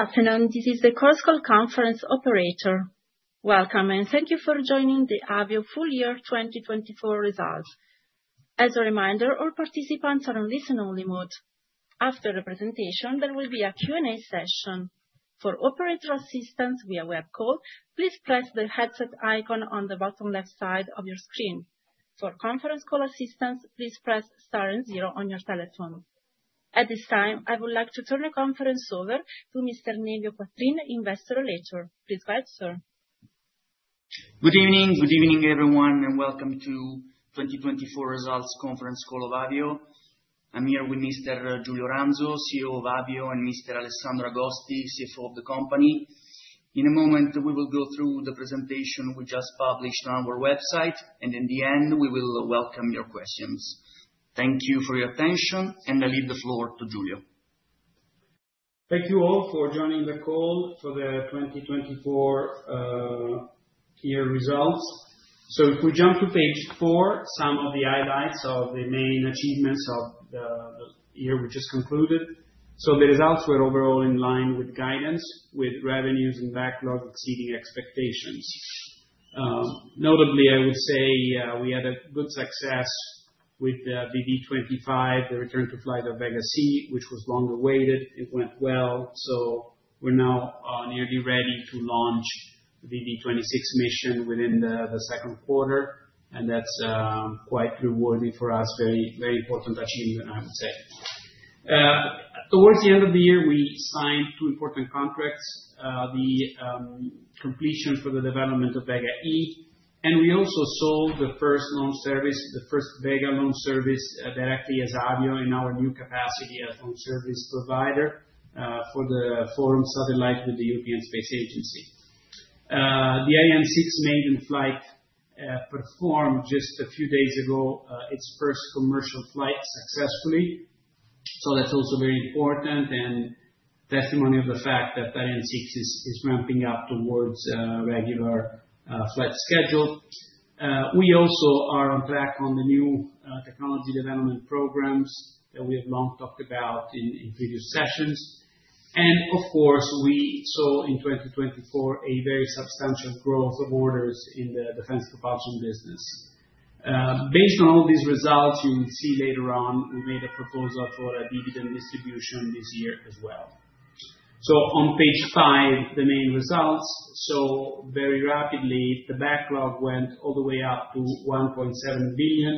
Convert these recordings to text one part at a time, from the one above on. Good afternoon, this is the Coastal Conference Operator. Welcome, and thank you for joining the Avio full year 2024 results. As a reminder, all participants are on listen-only mode. After the presentation, there will be a Q&A session. For operator assistance via web call, please press the headset icon on the bottom left side of your screen. For conference call assistance, please press * and zero on your telephone. At this time, I would like to turn the conference over to Mr. Nevio Quattrin, Investor Relations. Please welcome, sir. Good evening, good evening everyone, and welcome to 2024 results conference call of Avio. I'm here with Mr. Giulio Ranzo, CEO of Avio, and Mr. Alessandro Agosti, CFO of the company. In a moment, we will go through the presentation we just published on our website, and in the end, we will welcome your questions. Thank you for your attention, and I leave the floor to Giulio Ranzo. Thank you all for joining the call for the 2024 year results. If we jump to page four, some of the highlights of the main achievements of the year we just concluded. The results were overall in line with guidance, with revenues and backlog exceeding expectations. Notably, I would say we had a good success with the VB25, the return to flight of Vega C, which was long awaited. It went well. We are now nearly ready to launch the VB26 mission within the second quarter, and that is quite rewarding for us, very important achievement, I would say. Towards the end of the year, we signed two important contracts, the completion for the development of Vega E, and we also sold the first launch service, the first Vega launch service directly as Avio in our new capacity as launch service provider for the Forum satellite with the European Space Agency. The Ariane 6 maiden flight performed just a few days ago, its first commercial flight successfully. That is also very important and testimony of the fact that Ariane 6 is ramping up towards a regular flight schedule. We also are on track on the new technology development programs that we have long talked about in previous sessions. Of course, we saw in 2024 a very substantial growth of orders in the defense propulsion business. Based on all these results, you will see later on, we made a proposal for a dividend distribution this year as well. On page five, the main results. Very rapidly, the backlog went all the way up to 1.7 billion.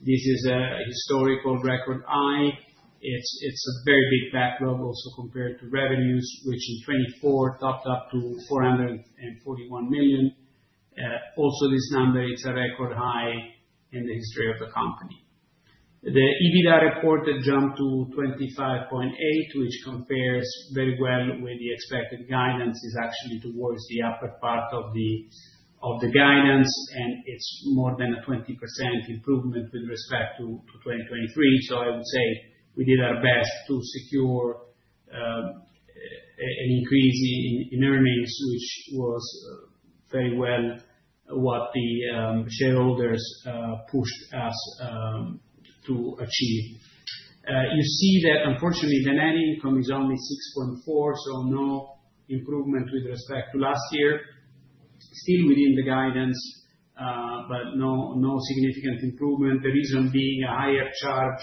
This is a historical record high. It is a very big backlog also compared to revenues, which in 2024 topped up to 441 million. Also, this number is a record high in the history of the company. The EBITDA report jumped to 25.8 million, which compares very well with the expected guidance, is actually towards the upper part of the guidance, and is more than a 20% improvement with respect to 2023. I would say we did our best to secure an increase in earnings, which was very well what the shareholders pushed us to achieve. You see that unfortunately, the net income is only 6.4 million, so no improvement with respect to last year. Still within the guidance, but no significant improvement, the reason being a higher charge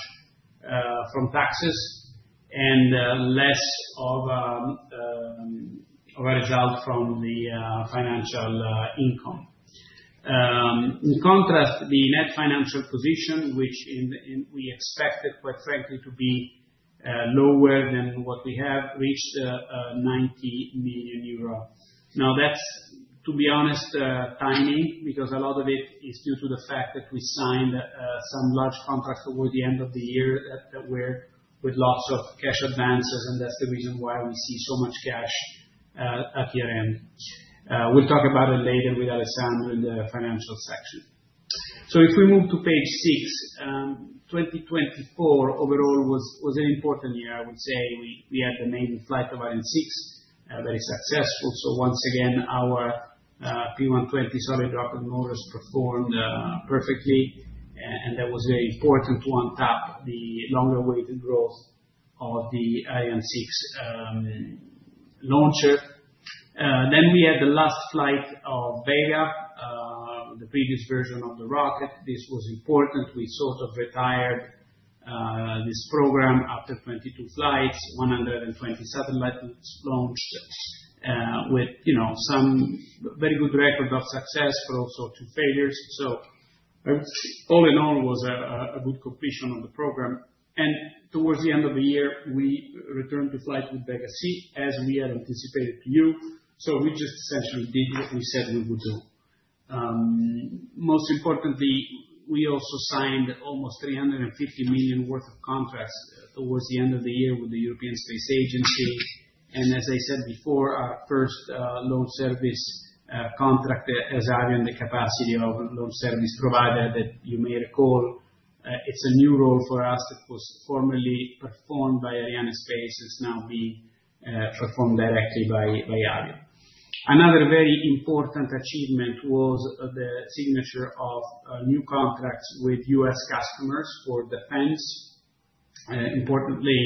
from taxes and less of a result from the financial income. In contrast, the net financial position, which we expected, quite frankly, to be lower than what we have, reached 90 million euro. Now, that's, to be honest, timing because a lot of it is due to the fact that we signed some large contracts towards the end of the year that were with lots of cash advances, and that's the reason why we see so much cash at year end. We'll talk about it later with Alessandro in the financial section. If we move to page six, 2024 overall was an important year. I would say we had the maiden flight of Ariane 6, very successful. Once again, our P120 solid rocket motors performed perfectly, and that was very important to untap the longer-awaited growth of the IN6 launcher. We had the last flight of Vega, the previous version of the rocket. This was important. We sort of retired this program after 22 flights, 120 satellites launched with some very good record of success, but also two failures. All in all, it was a good completion of the program. Towards the end of the year, we returned to flight with Vega C, as we had anticipated to you. We just essentially did what we said we would do. Most importantly, we also signed almost 350 million worth of contracts towards the end of the year with the European Space Agency. As I said before, our first launch service contract as Avio in the capacity of launch service provider that you may recall, it's a new role for us that was formerly performed by ArianeSpace, is now being performed directly by Avio. Another very important achievement was the signature of new contracts with U.S. customers for defense, importantly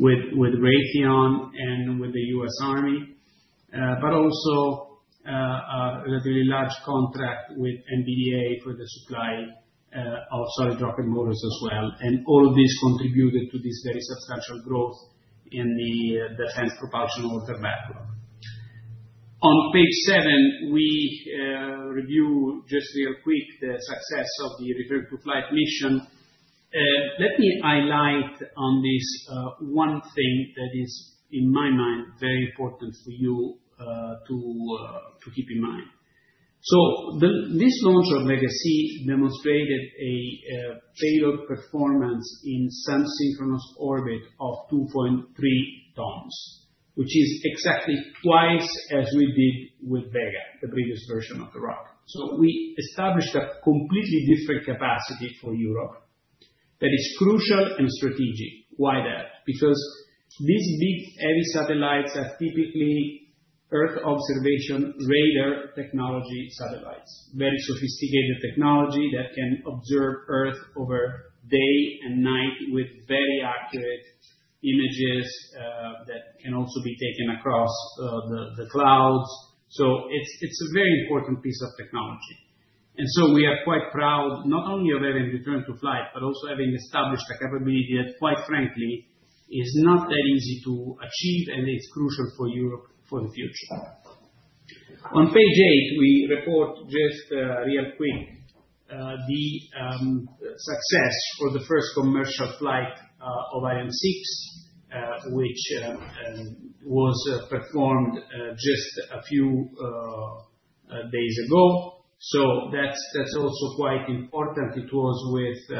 with Raytheon and with the U.S. Army, but also a relatively large contract with NBDA for the supply of solid rocket motors as well. All of this contributed to this very substantial growth in the defense propulsion order backlog. On page seven, we review just real quick the success of the return to flight mission. Let me highlight on this one thing that is, in my mind, very important for you to keep in mind. This launch of Vega C demonstrated a payload performance in sun-synchronous orbit of 2.3 tons, which is exactly twice as we did with Vega, the previous version of the rocket. We established a completely different capacity for Europe that is crucial and strategic. Why that? Because these big heavy satellites are typically Earth observation radar technology satellites, very sophisticated technology that can observe Earth over day and night with very accurate images that can also be taken across the clouds. It is a very important piece of technology. We are quite proud not only of having returned to flight, but also having established a capability that, quite frankly, is not that easy to achieve, and it is crucial for Europe for the future. On page eight, we report just real quick the success for the first commercial flight of IN6, which was performed just a few days ago. That is also quite important. It was with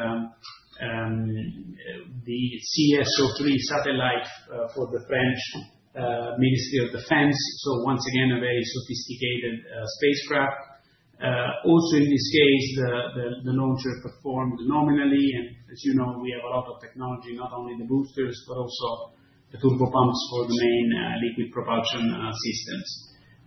the CSO3 satellite for the French Ministry of Defense. Once again, a very sophisticated spacecraft. Also in this case, the launcher performed nominally. As you know, we have a lot of technology, not only the boosters, but also the turbo pumps for the main liquid propulsion systems.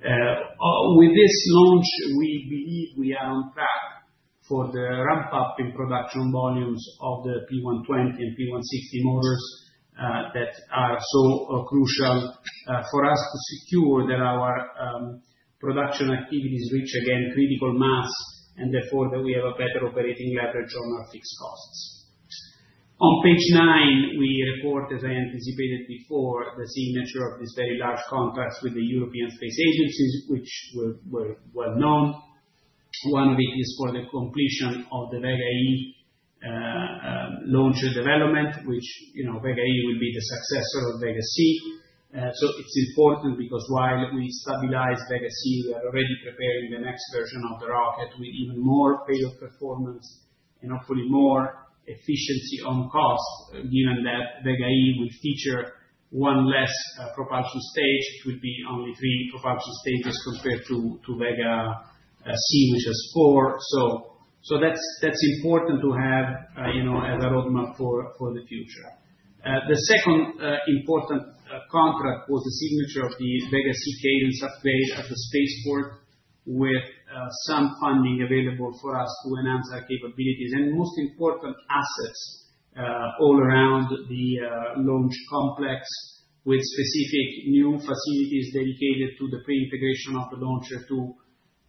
With this launch, we believe we are on track for the ramp-up in production volumes of the P120 and P160 motors that are so crucial for us to secure that our production activities reach again critical mass and therefore that we have a better operating leverage on our fixed costs. On page nine, we report, as I anticipated before, the signature of this very large contract with the European Space Agency, which were well known. One of it is for the completion of the Vega E launcher development, which Vega E will be the successor of Vega C. It is important because while we stabilize Vega C, we are already preparing the next version of the rocket with even more payload performance and hopefully more efficiency on cost, given that Vega E will feature one less propulsion stage. It will be only three propulsion stages compared to Vega C, which has four. That is important to have as a roadmap for the future. The second important contract was the signature of the Vega C cadence upgrade as a spaceport with some funding available for us to enhance our capabilities and most important assets all around the launch complex with specific new facilities dedicated to the pre-integration of the launcher to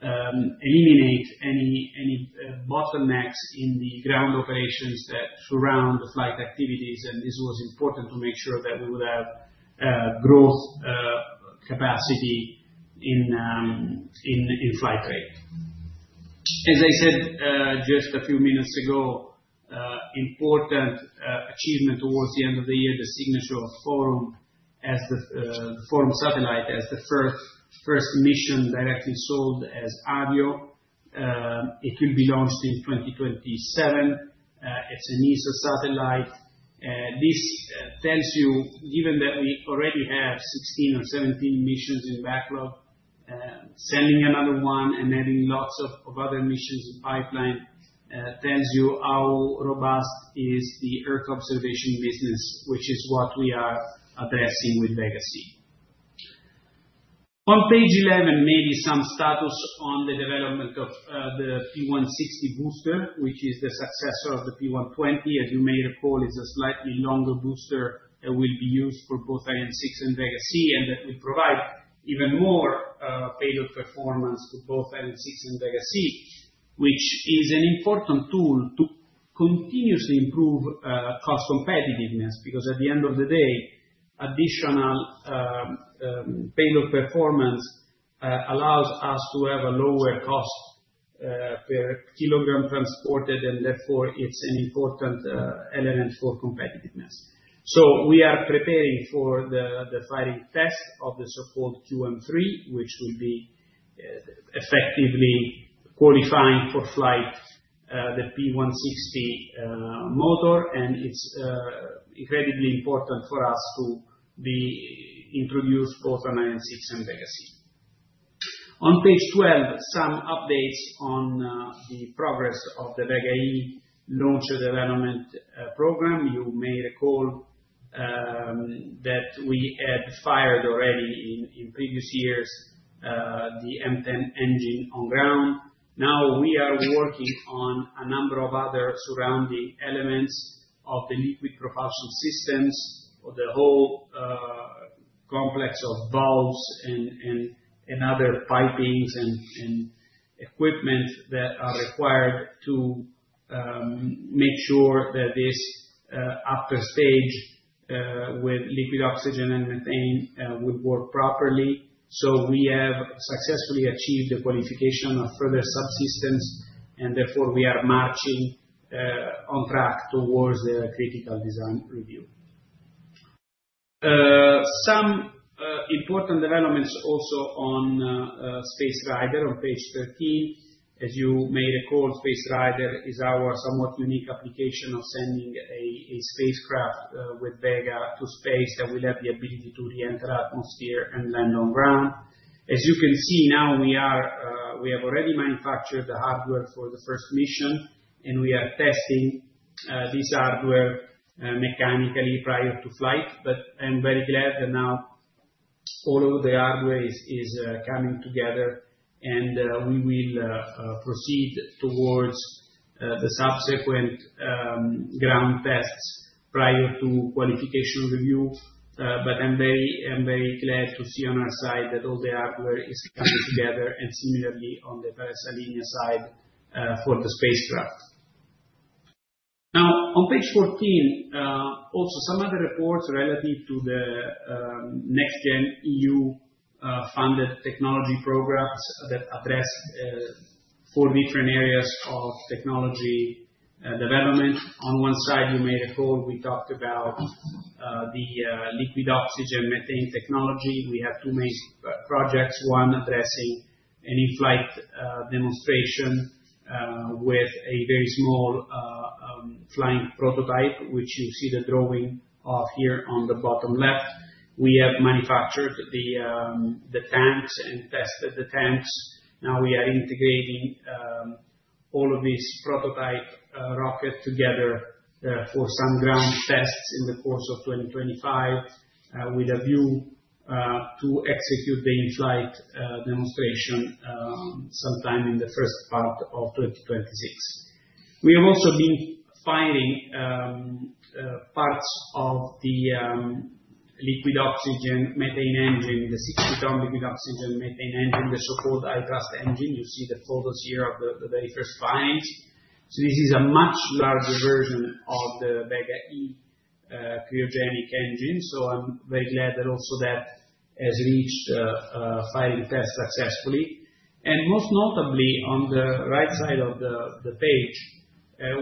eliminate any bottlenecks in the ground operations that surround the flight activities. This was important to make sure that we would have growth capacity in flight rate. As I said just a few minutes ago, important achievement towards the end of the year, the signature of the Forum satellite as the first mission directly sold as Avio. It will be launched in 2027. It's an ESA satellite. This tells you, given that we already have 16 or 17 missions in backlog, sending another one and having lots of other missions in pipeline tells you how robust is the Earth observation business, which is what we are addressing with Vega C. On page 11, maybe some status on the development of the P160 booster, which is the successor of the P120. As you may recall, it's a slightly longer booster that will be used for both Ariane 6 and Vega C, and that will provide even more payload performance to both Ariane 6 and Vega C, which is an important tool to continuously improve cost competitiveness because at the end of the day, additional payload performance allows us to have a lower cost per kilogram transported, and therefore it's an important element for competitiveness. We are preparing for the firing test of the so-called QM3, which will be effectively qualifying for flight, the P160 motor, and it's incredibly important for us to be introduced both on IN6 and Vega C. On page 12, some updates on the progress of the Vega E launcher development program. You may recall that we had fired already in previous years the M10 engine on ground. Now we are working on a number of other surrounding elements of the liquid propulsion systems, the whole complex of valves and other pipings and equipment that are required to make sure that this upper stage with liquid oxygen and methane would work properly. We have successfully achieved the qualification of further subsystems, and therefore we are marching on track towards the critical design review. Some important developments also on Space Rider on page 13. As you may recall, Space Rider is our somewhat unique application of sending a spacecraft with Vega to space that will have the ability to re-enter atmosphere and land on ground. As you can see now, we have already manufactured the hardware for the first mission, and we are testing this hardware mechanically prior to flight. I am very glad that now all of the hardware is coming together, and we will proceed towards the subsequent ground tests prior to qualification review. I am very glad to see on our side that all the hardware is coming together and similarly on the Thales Alenia side for the spacecraft. Now, on page 14, also some other reports relative to the next-gen EU-funded technology programs that address four different areas of technology development. On one side, you may recall we talked about the liquid oxygen methane technology. We have two main projects, one addressing an in-flight demonstration with a very small flying prototype, which you see the drawing of here on the bottom left. We have manufactured the tanks and tested the tanks. Now we are integrating all of these prototype rockets together for some ground tests in the course of 2025 with a view to execute the in-flight demonstration sometime in the first part of 2026. We have also been firing parts of the liquid oxygen-methane engine, the 60-ton liquid oxygen-methane engine, the so-called ITRAST engine. You see the photos here of the very first firings. This is a much larger version of the Vega E cryogenic engine. I'm very glad that also that has reached firing test successfully. Most notably, on the right side of the page,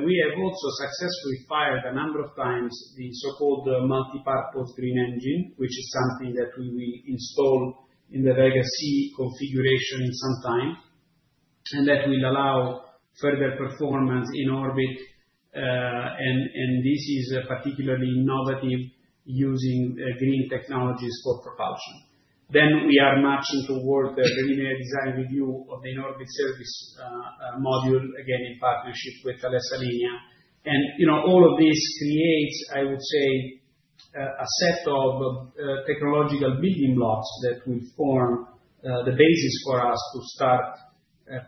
we have also successfully fired a number of times the so-called multi-purpose green engine, which is something that we will install in the Vega C configuration sometime, and that will allow further performance in orbit. This is particularly innovative using green technologies for propulsion. We are marching towards the preliminary design review of the in-orbit service module, again in partnership with Thales Alenia. All of this creates, I would say, a set of technological building blocks that will form the basis for us to start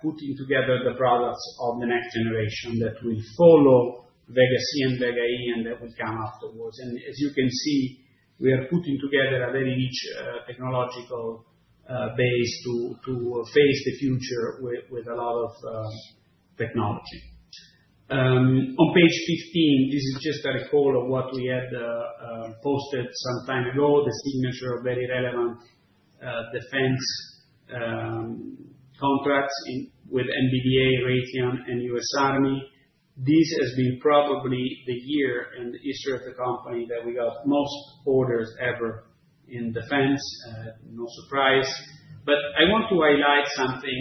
putting together the products of the next generation that will follow Vega C and Vega E and that will come afterwards. As you can see, we are putting together a very rich technological base to face the future with a lot of technology. On page 15, this is just a recall of what we had posted some time ago, the signature of very relevant defense contracts with NBDA, Raytheon, and U.S. Army. This has been probably the year and the issue of the company that we got most orders ever in defense, no surprise. I want to highlight something.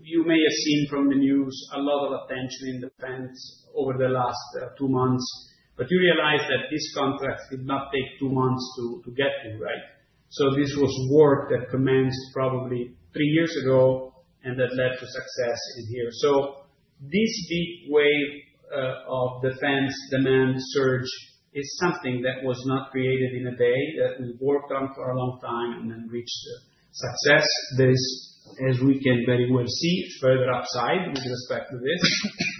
You may have seen from the news a lot of attention in defense over the last two months, but you realize that this contract did not take two months to get to, right? This was work that commenced probably three years ago and that led to success in here. This big wave of defense demand surge is something that was not created in a day, that we worked on for a long time and then reached success. This, as we can very well see, is further upside with respect to this,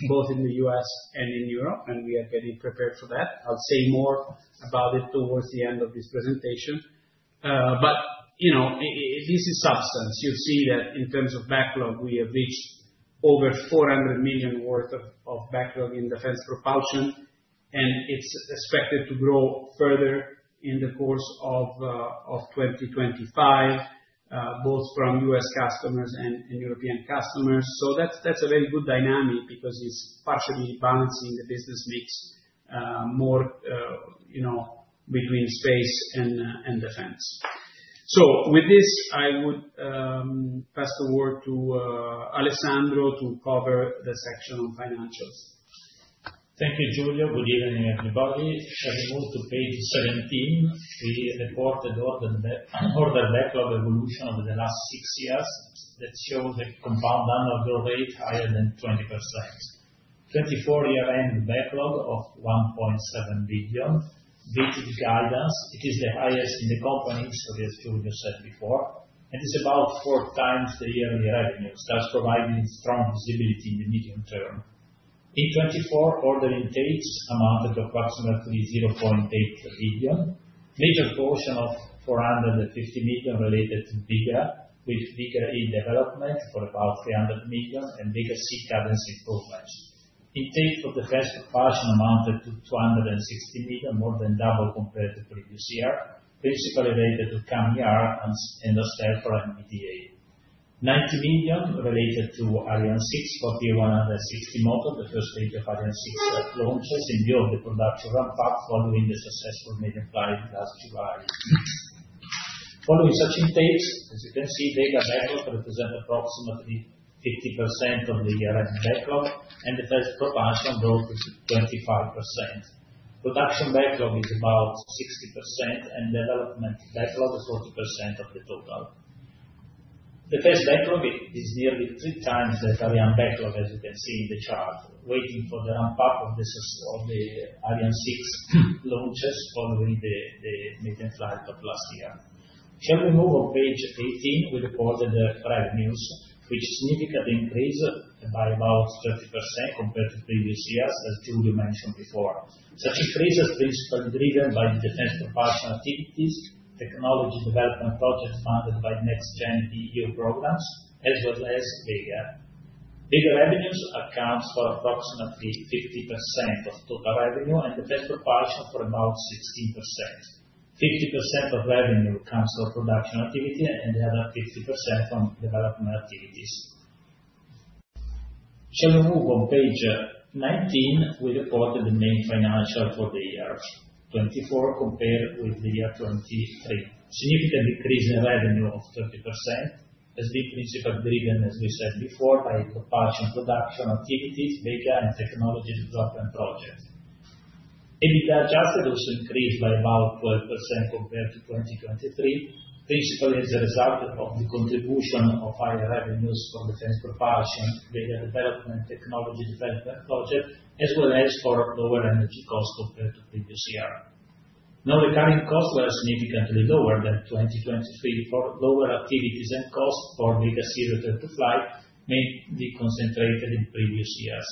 both in the U.S., and in Europe, and we are getting prepared for that. I'll say more about it towards the end of this presentation. This is substance. You see that in terms of backlog, we have reached over 400 million worth of backlog in defense propulsion, and it's expected to grow further in the course of 2025, both from U.S., customers and European customers. That is a very good dynamic because it's partially balancing the business mix more between space and defense. With this, I would pass the word to Alessandro to cover the section on financials. Thank you, Giulio Ranzo. Good evening, everybody. As we move to page 17, we reported order backlog evolution over the last six years that shows a compound annual growth rate higher than 20%. year-end backlog of 1.7 billion beats its guidance. It is the highest in the company, as Giulio Ranzo said before, and it's about four times the yearly revenue. That's providing strong visibility in the medium term. In 2024, order intakes amounted to approximately 0.8 billion, major portion of 450 million related to Vega with Vega E development for about 300 million and Vega C cadence improvements. Intake for defense propulsion amounted to 260 million, more than double compared to previous year, principally related to CAMIAR and NOSTEL for NBDA. 90 million related to Ariane 6, 4,160 model, the first stage of Ariane 6 launches in view of the production ramp-up following the successful mid-flight last July. Following such intakes, as you can see, Vega backlog represents approximately 50% of the year-end backlog, and defense propulsion growth is 25%. Production backlog is about 60%, and development backlog is 40% of the total. Defense backlog is nearly three times the Ariane backlog, as you can see in the chart, waiting for the ramp-up of the Ariane 6 launches following the mid-flight of last year. Shall we move on page 18? We reported the prior news, which significantly increased by about 30% compared to previous years, as Giulio Ranzo mentioned before. Such increase is principally driven by defense propulsion activities, technology development projects funded by next-gen EU programs, as well as Vega EU. Vega EU revenues account for approximately 50% of total revenue, and defense propulsion for about 16%. 50% of revenue comes from production activity, and the other 50% from development activities. Shall we move on page 19? We reported the main financial for the year 2024 compared with the year 2023. Significant decrease in revenue of 30% has been principally driven, as we said before, by propulsion production activities, Vega C, and technology development projects. EBITDA adjusted also increased by about 12% compared to 2023, principally as a result of the contribution of higher revenues for defense propulsion, Vega C development, technology development projects, as well as for lower energy costs compared to previous year. Non-recurring costs were significantly lower than 2023, for lower activities and costs for Vega C to fly mainly concentrated in previous years.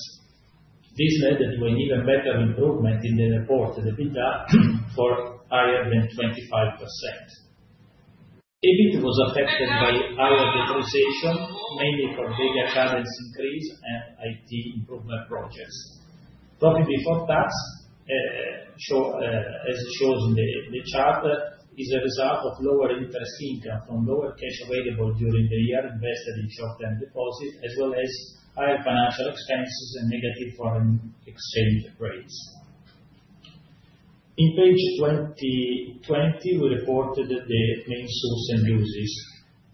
This led to an even better improvement in the reported EBITDA for higher than 25%. EBIT was affected by higher capitalization, mainly for Vega C cadence increase and IT improvement projects. Profit before tax, as shown in the chart, is a result of lower interest income from lower cash available during the year invested in short-term deposits, as well as higher financial expenses and negative foreign exchange rates. On page 20, we reported the main source and uses.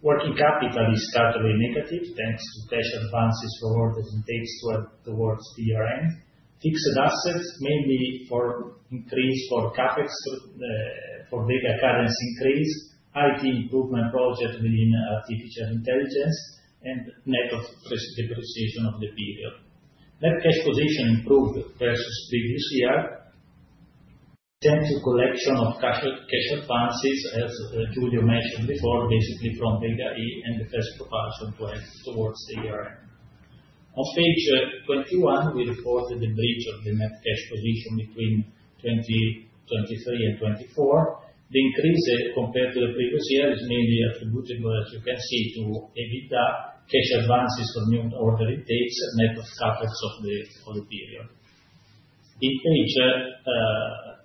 Working capital is totally negative thanks to cash advances forwarded intakes towards the year-end. Fixed assets mainly for increase for Vega C cadence increase, IT improvement projects within artificial intelligence, and net depreciation of the period. Net cash position improved versus previous year. Attempted collection of cash advances, as Giulio Ranzo mentioned before, basically from Vega C and defense propulsion towards the year-end. On page 21, we reported the breach of the net cash position between 2023 and 2024. The increase compared to the previous year is mainly attributable, as you can see, to EBITDA, cash advances for new order intakes, net of capital of the period. In page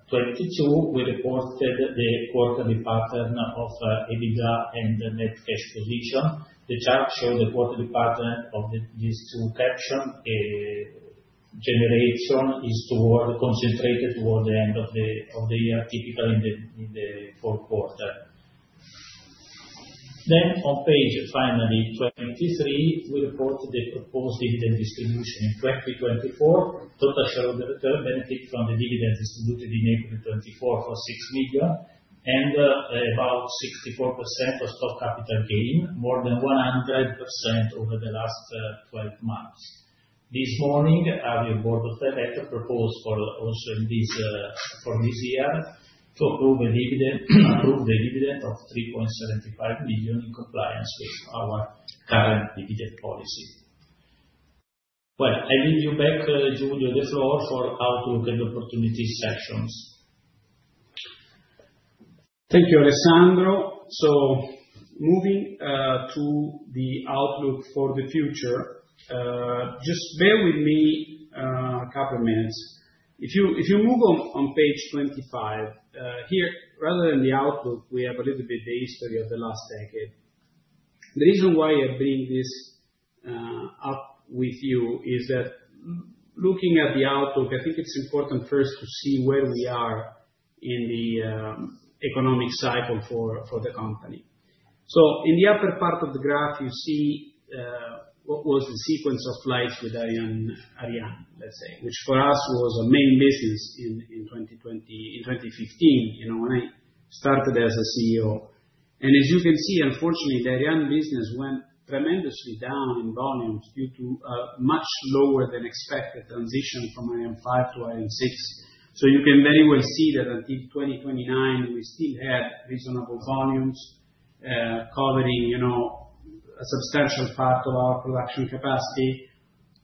22, we reported the quarterly pattern of EBITDA and net cash position. The chart showed the quarterly pattern of these two captions. Generation is concentrated towards the end of the year, typically in the fourth quarter. On page finally 23, we reported the proposed dividend distribution in 2024. Total shareholder return benefit from the dividends distributed in April 2024 for 6 million and about 64% of stock capital gain, more than 100% over the last 12 months. This morning, our board of directors proposed for also for this year to approve the dividend of 3.75 million in compliance with our current dividend policy. I leave you back, Giulio Ranzo, the floor for Outlook and Opportunities sections. Thank you, Alessandro. Moving to the outlook for the future, just bear with me a couple of minutes. If you move on page 25, here, rather than the outlook, we have a little bit of the history of the last decade. The reason why I bring this up with you is that looking at the outlook, I think it's important first to see where we are in the economic cycle for the company. In the upper part of the graph, you see what was the sequence of flights with Ariane, let's say, which for us was a main business in 2015 when I started as CEO. As you can see, unfortunately, the Ariane business went tremendously down in volumes due to a much lower than expected transition from Ariane 5 to Ariane 6. You can very well see that until 2029, we still had reasonable volumes covering a substantial part of our production capacity.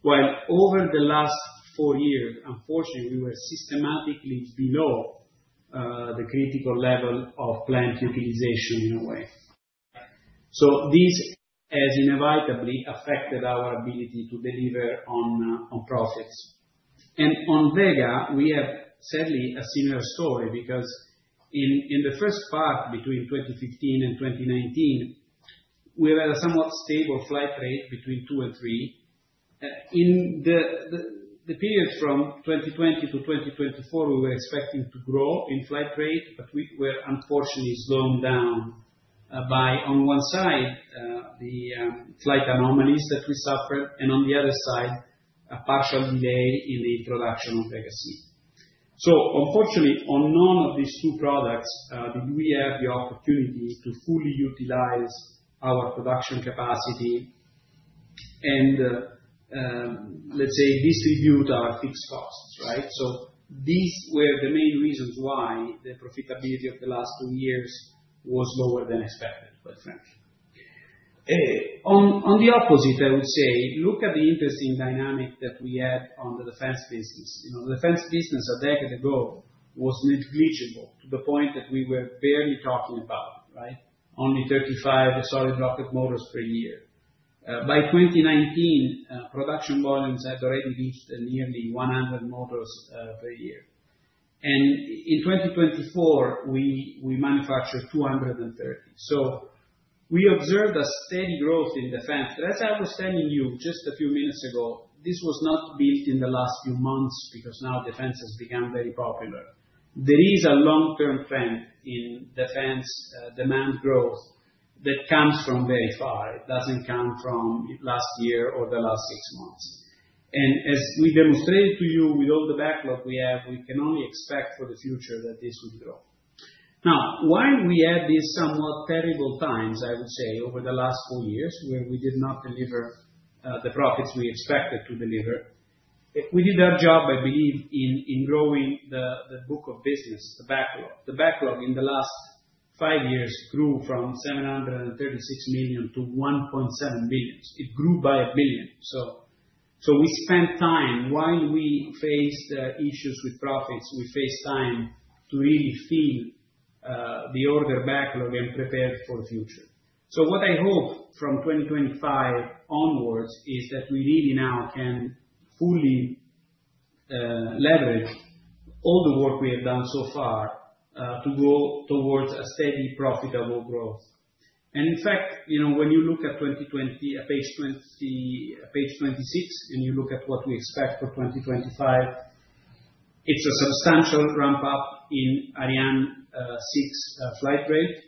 While over the last four years, unfortunately, we were systematically below the critical level of plant utilization in a way. This has inevitably affected our ability to deliver on profits. On Vega, we have sadly a similar story because in the first part between 2015 and 2019, we had a somewhat stable flight rate between two and three. In the period from 2020 to 2024, we were expecting to grow in flight rate, but we were unfortunately slowing down by, on one side, the flight anomalies that we suffered, and on the other side, a partial delay in the introduction of Vega C. Unfortunately, on none of these two products did we have the opportunity to fully utilize our production capacity and, let's say, distribute our fixed costs, right? These were the main reasons why the profitability of the last two years was lower than expected, quite frankly. On the opposite, I would say, look at the interesting dynamic that we had on the defense business. The defense business a decade ago was negligible to the point that we were barely talking about it, right? Only 35 solid rocket motors per year. By 2019, production volumes had already reached nearly 100 motors per year. In 2024, we manufactured 230. We observed a steady growth in defense. As I was telling you just a few minutes ago, this was not built in the last few months because now defense has become very popular. There is a long-term trend in defense demand growth that comes from very far. It doesn't come from last year or the last six months. As we demonstrated to you with all the backlog we have, we can only expect for the future that this will grow. While we had these somewhat terrible times, I would say, over the last four years where we did not deliver the profits we expected to deliver, we did our job, I believe, in growing the book of business, the backlog. The backlog in the last five years grew from 736 million to 1.7 billion. It grew by 1 billion. We spent time while we faced issues with profits. We faced time to really fill the order backlog and prepare for the future. What I hope from 2025 onwards is that we really now can fully leverage all the work we have done so far to go towards a steady, profitable growth. In fact, when you look at page 26 and you look at what we expect for 2025, it is a substantial ramp-up in Ariane 6 flight rate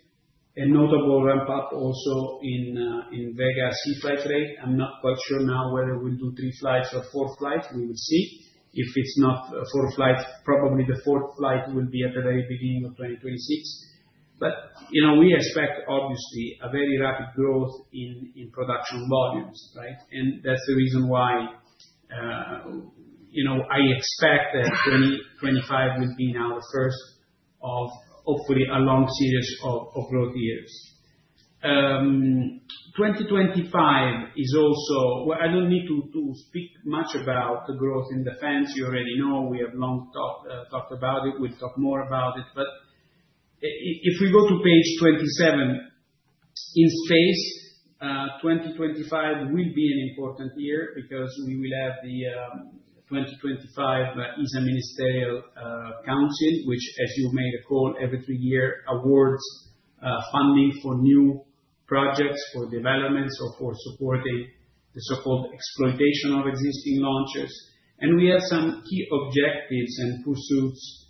and notable ramp-up also in Vega C flight rate. I'm not quite sure now whether we'll do three flights or four flights. We will see. If it is not a fourth flight, probably the fourth flight will be at the very beginning of 2026. We expect, obviously, a very rapid growth in production volumes, right? That is the reason why I expect that 2025 will be now the first of hopefully a long series of growth years. 2025 is also—well, I don't need to speak much about the growth in defense. You already know. We have long talked about it. We will talk more about it. If we go to page 27, in space, 2025 will be an important year because we will have the 2025 ESA Ministerial Council, which, as you may recall, every three years awards funding for new projects, for developments, or for supporting the so-called exploitation of existing launchers. We have some key objectives and pursuits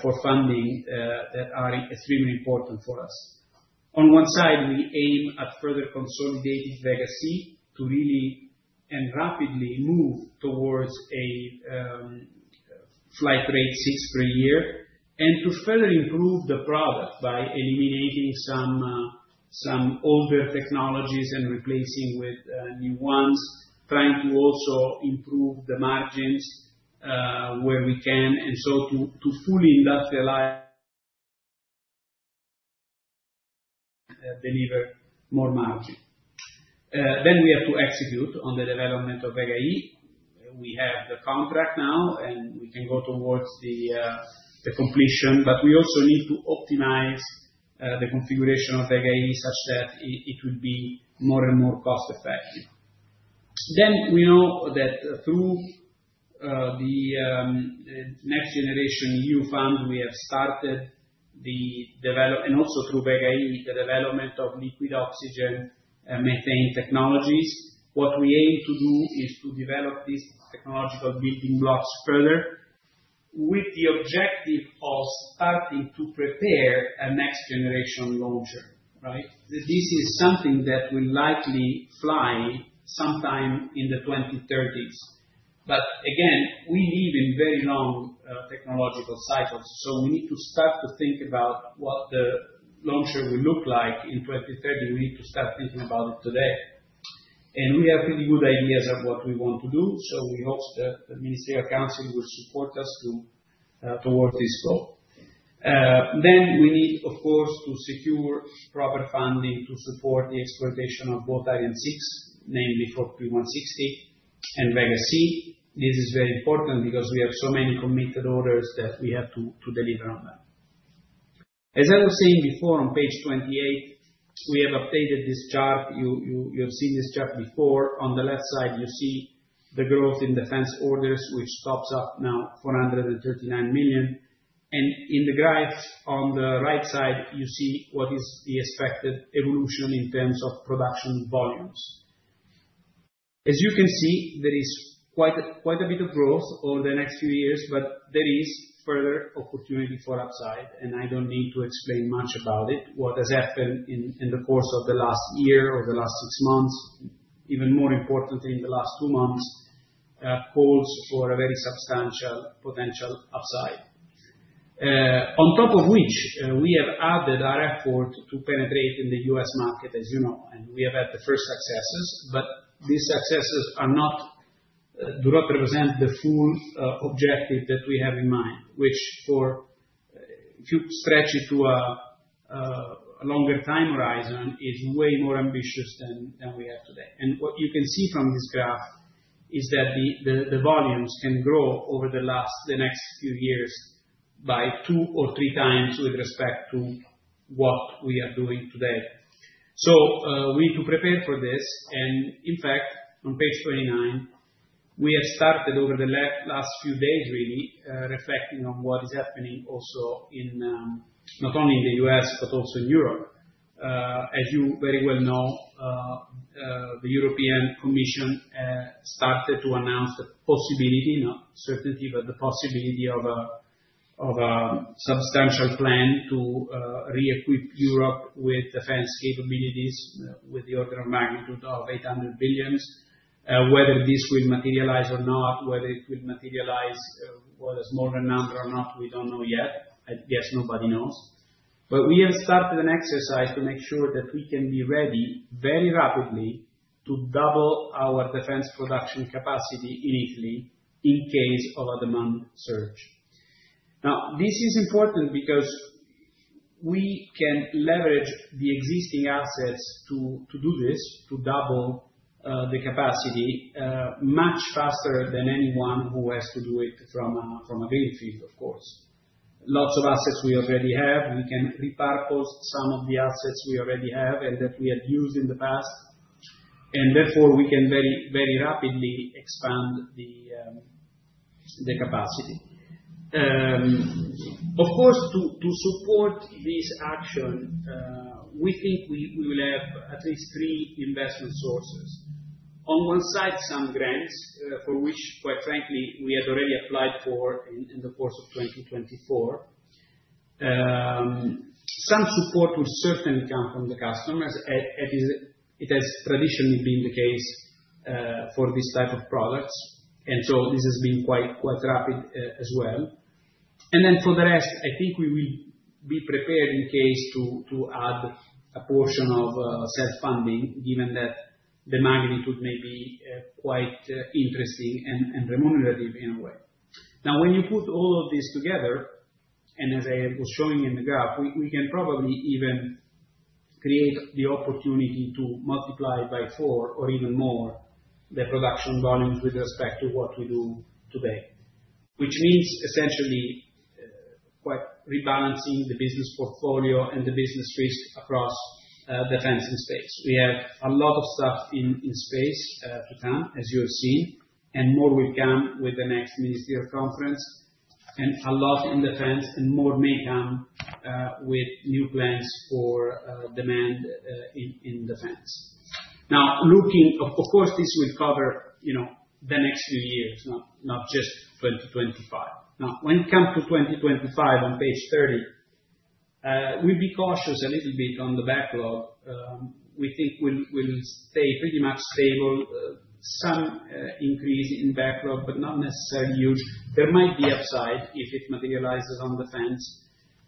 for funding that are extremely important for us. On one side, we aim at further consolidating Vega C to really and rapidly move towards a flight rate six per year and to further improve the product by eliminating some older technologies and replacing with new ones, trying to also improve the margins where we can and to fully industrialize and deliver more margin. We have to execute on the development of Vega E. We have the contract now, and we can go towards the completion, but we also need to optimize the configuration of Vega E such that it would be more and more cost-effective. We know that through the next-generation EU fund, we have started the development, and also through Vega E, the development of liquid oxygen methane technologies. What we aim to do is to develop these technological building blocks further with the objective of starting to prepare a next-generation launcher, right? This is something that will likely fly sometime in the 2030s. Again, we live in very long technological cycles. We need to start to think about what the launcher will look like in 2030. We need to start thinking about it today. We have really good ideas of what we want to do. We hope that the Ministerial Council will support us towards this goal. We need, of course, to secure proper funding to support the exploitation of both Ariane 6, namely for P160 and Vega C. This is very important because we have so many committed orders that we have to deliver on them. As I was saying before on page 28, we have updated this chart. You have seen this chart before. On the left side, you see the growth in defense orders, which tops up now 439 million. In the graph on the right side, you see what is the expected evolution in terms of production volumes. As you can see, there is quite a bit of growth over the next few years, but there is further opportunity for upside. I don't need to explain much about it. What has happened in the course of the last year or the last six months, even more importantly in the last two months, calls for a very substantial potential upside. On top of which, we have added our effort to penetrate in the U.S., market, as you know, and we have had the first successes. These successes do not represent the full objective that we have in mind, which, if you stretch it to a longer time horizon, is way more ambitious than we have today. What you can see from this graph is that the volumes can grow over the next few years by two or three times with respect to what we are doing today. We need to prepare for this. In fact, on page 29, we have started over the last few days, really, reflecting on what is happening also not only in the U.S., but also in Europe. As you very well know, the European Commission started to announce the possibility, not certainty, but the possibility of a substantial plan to re-equip Europe with defense capabilities with the order of magnitude of 800 billion. Whether this will materialize or not, whether it will materialize as a smaller number or not, we do not know yet. I guess nobody knows. We have started an exercise to make sure that we can be ready very rapidly to double our defense production capacity initially in case of a demand surge. Now, this is important because we can leverage the existing assets to do this, to double the capacity much faster than anyone who has to do it from a greenfield, of course. Lots of assets we already have. We can repurpose some of the assets we already have and that we had used in the past. Therefore, we can very rapidly expand the capacity. Of course, to support this action, we think we will have at least three investment sources. On one side, some grants for which, quite frankly, we had already applied for in the course of 2024. Some support will certainly come from the customers. It has traditionally been the case for this type of products. This has been quite rapid as well. For the rest, I think we will be prepared in case to add a portion of self-funding, given that the magnitude may be quite interesting and remunerative in a way. Now, when you put all of this together, and as I was showing in the graph, we can probably even create the opportunity to multiply by four or even more the production volumes with respect to what we do today, which means essentially quite rebalancing the business portfolio and the business risk across defense and space. We have a lot of stuff in space to come, as you have seen, and more will come with the next Ministerial Conference. A lot in defense and more may come with new plans for demand in defense. Now, looking, of course, this will cover the next few years, not just 2025. Now, when it comes to 2025 on page 30, we'll be cautious a little bit on the backlog. We think we'll stay pretty much stable. Some increase in backlog, but not necessarily huge. There might be upside if it materializes on defense.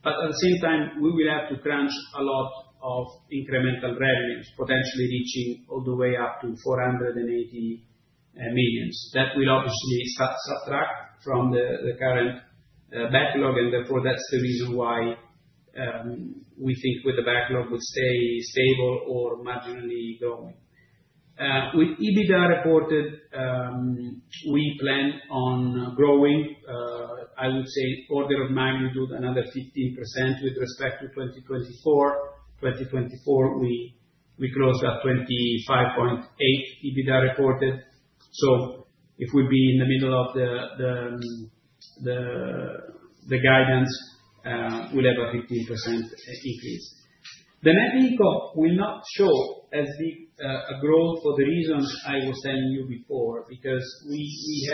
At the same time, we will have to crunch a lot of incremental revenues, potentially reaching all the way up to 480 million. That will obviously subtract from the current backlog. Therefore, that's the reason why we think with the backlog we'll stay stable or marginally growing. With EBITDA reported, we plan on growing, I would say, order of magnitude another 15% with respect to 2024. 2024, we closed at 25.8 million EBITDA reported. If we'd be in the middle of the guidance, we'll have a 15% increase. The net income will not show as big a growth for the reasons I was telling you before because we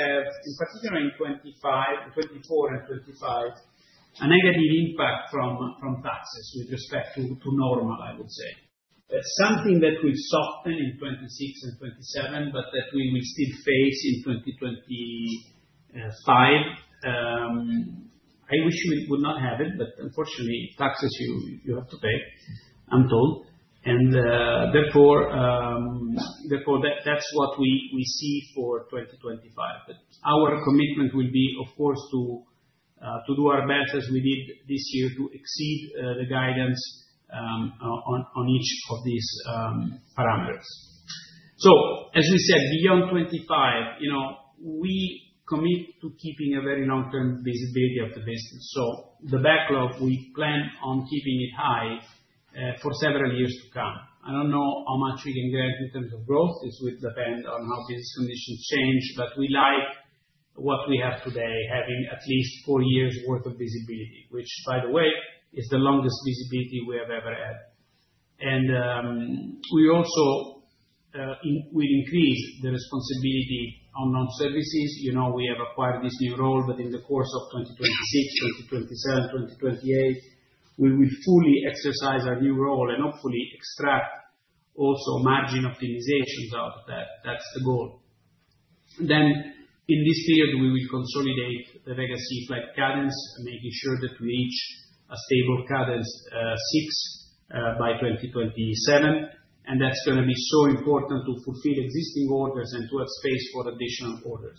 have, in particular, in 2024 and 2025, a negative impact from taxes with respect to normal, I would say. Something that will soften in 2026 and 2027, but that we will still face in 2025. I wish we would not have it, but unfortunately, taxes you have to pay, I'm told. Therefore, that's what we see for 2025. Our commitment will be, of course, to do our best as we did this year to exceed the guidance on each of these parameters. As we said, beyond 2025, we commit to keeping a very long-term visibility of the business. The backlog, we plan on keeping it high for several years to come. I don't know how much we can guarantee in terms of growth. This would depend on how business conditions change. We like what we have today, having at least four years' worth of visibility, which, by the way, is the longest visibility we have ever had. We also will increase the responsibility on non-services. We have acquired this new role, but in the course of 2026, 2027, 2028, we will fully exercise our new role and hopefully extract also margin optimizations out of that. That is the goal. In this period, we will consolidate the Vega C flight cadence, making sure that we reach a stable cadence 6 by 2027. That is going to be so important to fulfill existing orders and to have space for additional orders.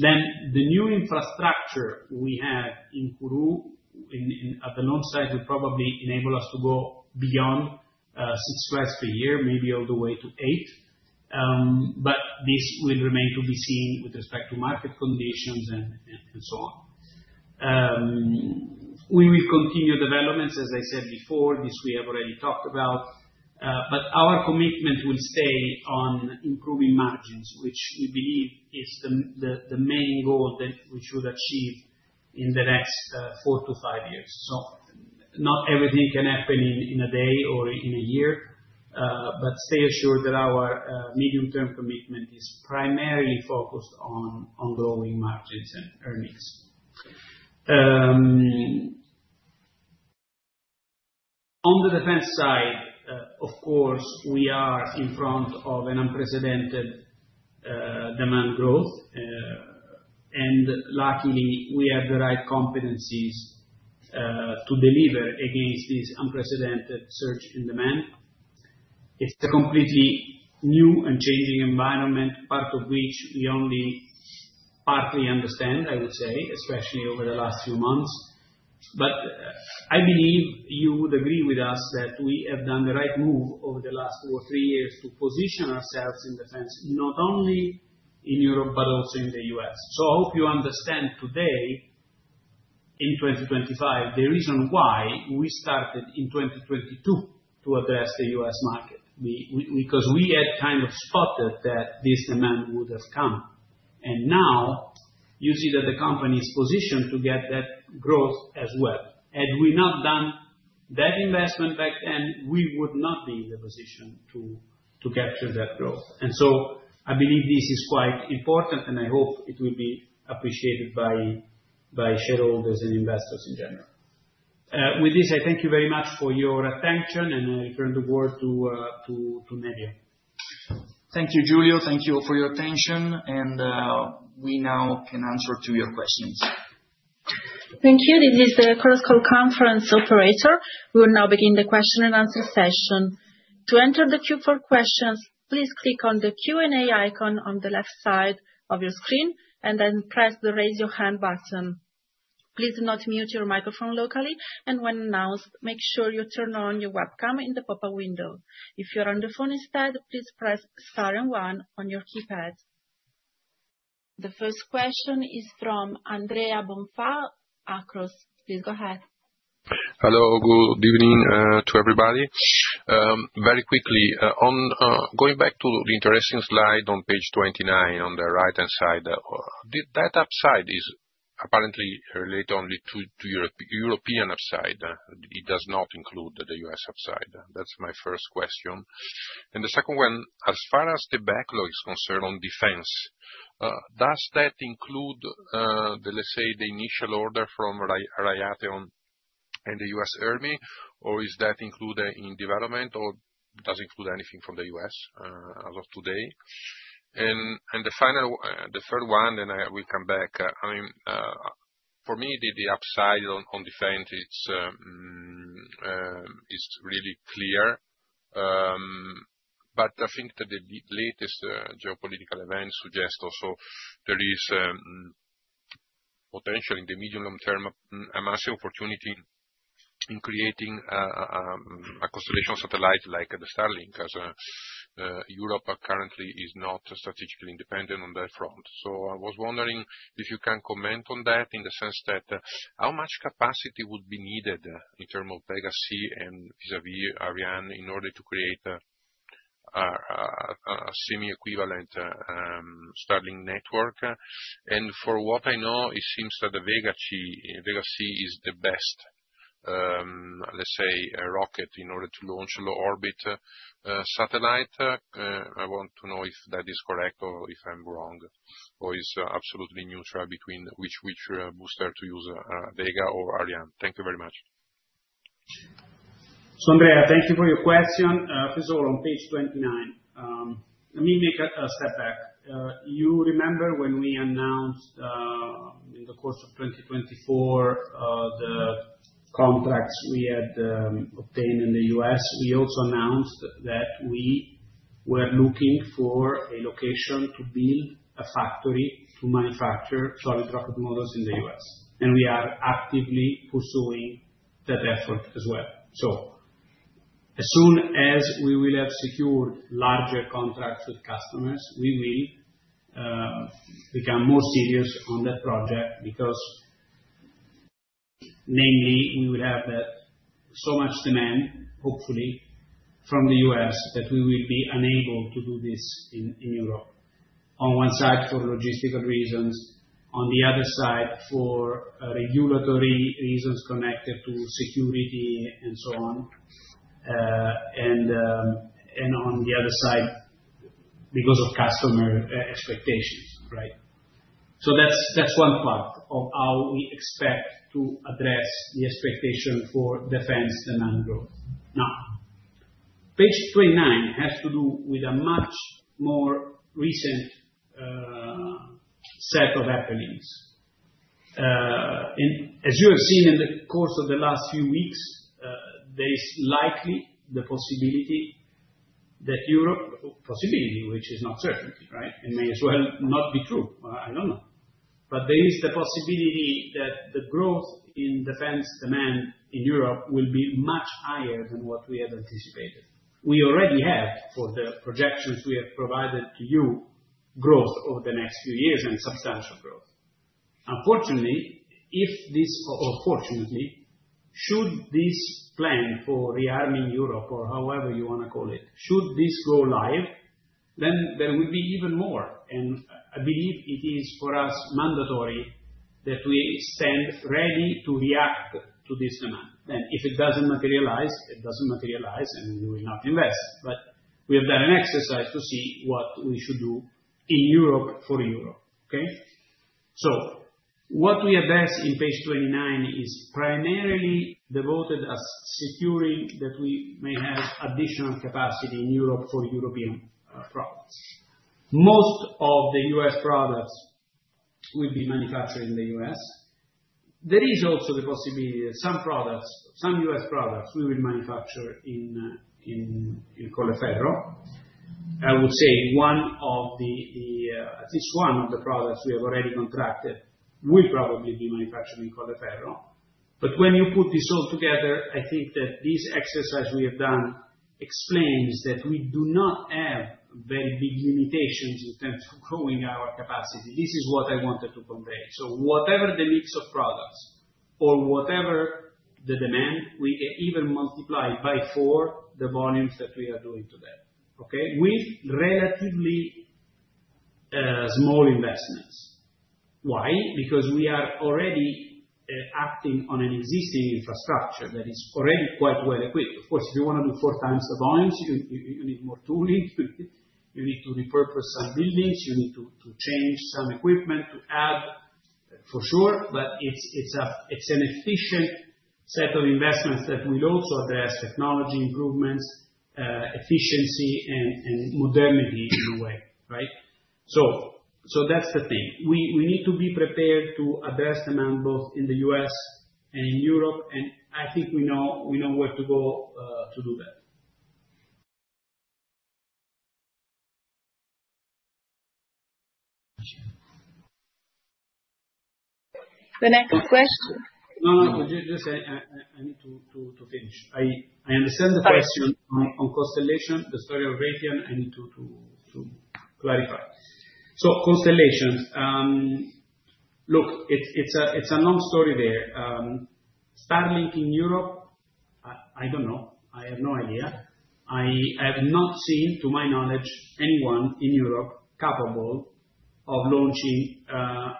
The new infrastructure we have in Kourou, at the long side, will probably enable us to go beyond six flights per year, maybe all the way to eight. This will remain to be seen with respect to market conditions and so on. We will continue developments, as I said before. This we have already talked about. Our commitment will stay on improving margins, which we believe is the main goal that we should achieve in the next four to five years. Not everything can happen in a day or in a year, but stay assured that our medium-term commitment is primarily focused on growing margins and earnings. On the defense side, of course, we are in front of an unprecedented demand growth. Luckily, we have the right competencies to deliver against this unprecedented surge in demand. It's a completely new and changing environment, part of which we only partly understand, I would say, especially over the last few months. I believe you would agree with us that we have done the right move over the last two or three years to position ourselves in defense, not only in Europe, but also in the U.S. I hope you understand today, in 2025, the reason why we started in 2022 to address the U.S., market, because we had kind of spotted that this demand would have come. Now, you see that the company is positioned to get that growth as well. Had we not done that investment back then, we would not be in the position to capture that growth. I believe this is quite important, and I hope it will be appreciated by shareholders and investors in general. With this, I thank you very much for your attention, and I return the word to Nevio. Thank you, Giulio Ranzo. Thank you for your attention. We now can answer two of your questions. Thank you. This is the CrossCo Conference Operator. We will now begin the question and answer session. To enter the Q4 questions, please click on the Q&A icon on the left side of your screen and then press the raise your hand button. Please do not mute your microphone locally. When announced, make sure you turn on your webcam in the pop-up window. If you're on the phone instead, please press star and one on your keypad. The first question is from Andrea Bonfa, Across. Please go ahead. Hello. Good evening to everybody. Very quickly, going back to the interesting slide on page 29 on the right-hand side, that upside is apparently related only to European upside. It does not include the U.S., upside. That's my first question. The second one, as far as the backlog is concerned on defense, does that include the, let's say, the initial order from Raytheon and the U.S. Army, or is that included in development or does it include anything from the U.S., as of today? The third one, I will come back, I mean, for me, the upside on defense is really clear. I think that the latest geopolitical events suggest also there is potential in the medium-long term, a massive opportunity in creating a constellation of satellites like the Starlink, as Europe currently is not strategically independent on that front. I was wondering if you can comment on that in the sense that how much capacity would be needed in terms of Vega C and Vega E Ariane in order to create a semi-equivalent Starlink network. For what I know, it seems that the Vega C is the best, let's say, rocket in order to launch a low-orbit satellite. I want to know if that is correct or if I'm wrong, or it's absolutely neutral between which booster to use, Vega or Ariane. Thank you very much. Andrea, thank you for your question. First of all, on page 29, let me make a step back. You remember when we announced in the course of 2024 the contracts we had obtained in the U.S., we also announced that we were looking for a location to build a factory to manufacture solid rocket motors in the U.S. We are actively pursuing that effort as well. As soon as we will have secured larger contracts with customers, we will become more serious on that project because, namely, we will have so much demand, hopefully, from the U.S., that we will be unable to do this in Europe. On one side, for logistical reasons. On the other side, for regulatory reasons connected to security and so on. On the other side, because of customer expectations, right? That is one part of how we expect to address the expectation for defense demand growth. Page 29 has to do with a much more recent set of happenings. As you have seen in the course of the last few weeks, there is likely the possibility that Europe—possibility, which is not certainty, right? It may as well not be true. I do not know. There is the possibility that the growth in defense demand in Europe will be much higher than what we had anticipated. We already have, for the projections we have provided to you, growth over the next few years and substantial growth. Unfortunately, if this—or fortunately, should this plan for rearming Europe or however you want to call it, should this go live, then there will be even more. I believe it is for us mandatory that we stand ready to react to this demand. If it does not materialize, it does not materialize, and we will not invest. We have done an exercise to see what we should do in Europe for Europe, okay? What we have asked in page 29 is primarily devoted to securing that we may have additional capacity in Europe for European products. Most of the U.S., products will be manufactured in the United States. There is also the possibility that some products, some U.S., products, we will manufacture in Colleferro. I would say at least one of the products we have already contracted will probably be manufactured in Colleferro. When you put this all together, I think that this exercise we have done explains that we do not have very big limitations in terms of growing our capacity. This is what I wanted to convey. Whatever the mix of products or whatever the demand, we can even multiply by four the volumes that we are doing today, okay, with relatively small investments. Why? Because we are already acting on an existing infrastructure that is already quite well equipped. Of course, if you want to do four times the volumes, you need more tooling. You need to repurpose some buildings. You need to change some equipment to add, for sure. It is an efficient set of investments that will also address technology improvements, efficiency, and modernity in a way, right? That is the thing. We need to be prepared to address demand both in the U.S., and in Europe. I think we know where to go to do that. The next question. No, no. Just say I need to finish. I understand the question on constellation, the story of Raytheon. I need to clarify. Constellations. Look, it's a long story there. Starlink in Europe, I don't know. I have no idea. I have not seen, to my knowledge, anyone in Europe capable of launching a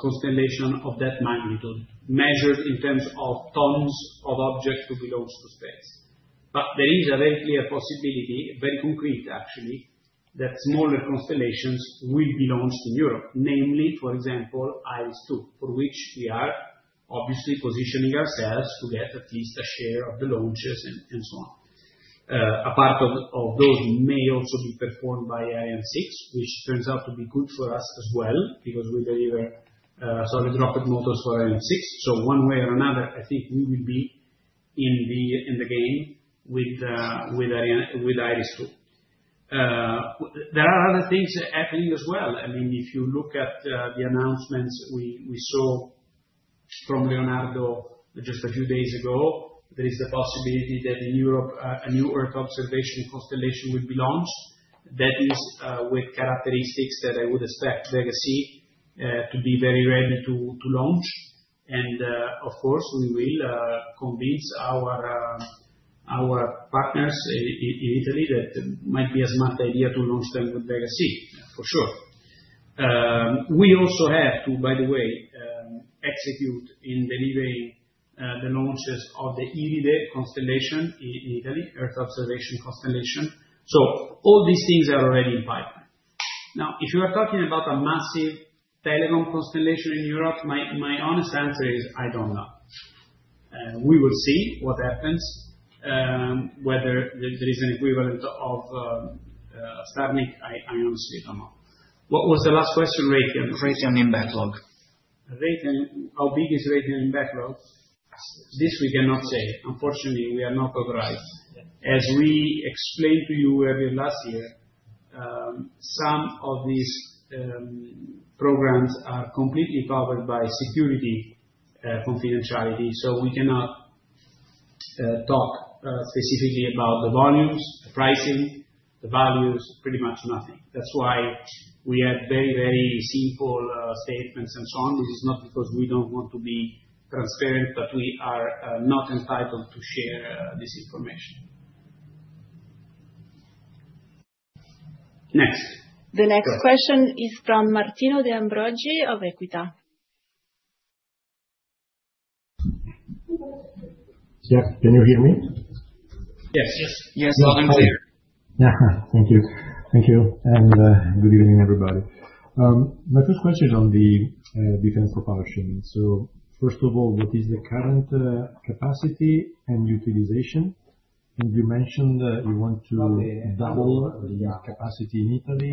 constellation of that magnitude measured in terms of tons of objects to be launched to space. There is a very clear possibility, very concrete, actually, that smaller constellations will be launched in Europe, namely, for example, IS-2, for which we are obviously positioning ourselves to get at least a share of the launches and so on. A part of those may also be performed by Ariane 6, which turns out to be good for us as well because we deliver solid rocket motors for Ariane 6. One way or another, I think we will be in the game with IS-2. There are other things happening as well. I mean, if you look at the announcements we saw from Leonardo just a few days ago, there is the possibility that in Europe, a new Earth observation constellation will be launched. That is with characteristics that I would expect Vega C to be very ready to launch. Of course, we will convince our partners in Italy that it might be a smart idea to launch them with Vega C, for sure. We also have to, by the way, execute in delivering the launches of the Iridè constellation in Italy, Earth observation constellation. All these things are already in pipeline. Now, if you are talking about a massive Telegon constellation in Europe, my honest answer is I don't know. We will see what happens, whether there is an equivalent of Starlink. I honestly don't know. What was the last question, Raytheon? Raytheon in backlog. Raytheon, how big is Raytheon in backlog? This we cannot say. Unfortunately, we are not authorized. As we explained to you earlier last year, some of these programs are completely covered by security confidentiality. We cannot talk specifically about the volumes, the pricing, the values, pretty much nothing. That is why we have very, very simple statements and so on. This is not because we do not want to be transparent, but we are not entitled to share this information. Next. The next question is from Martino Deambroggi of Equita. Yeah. Can you hear me? Yes. Yes. Yes. I'm clear. Thank you. Thank you. Good evening, everybody. My first question is on the defense propulsion. First of all, what is the current capacity and utilization? You mentioned you want to double the capacity in Italy,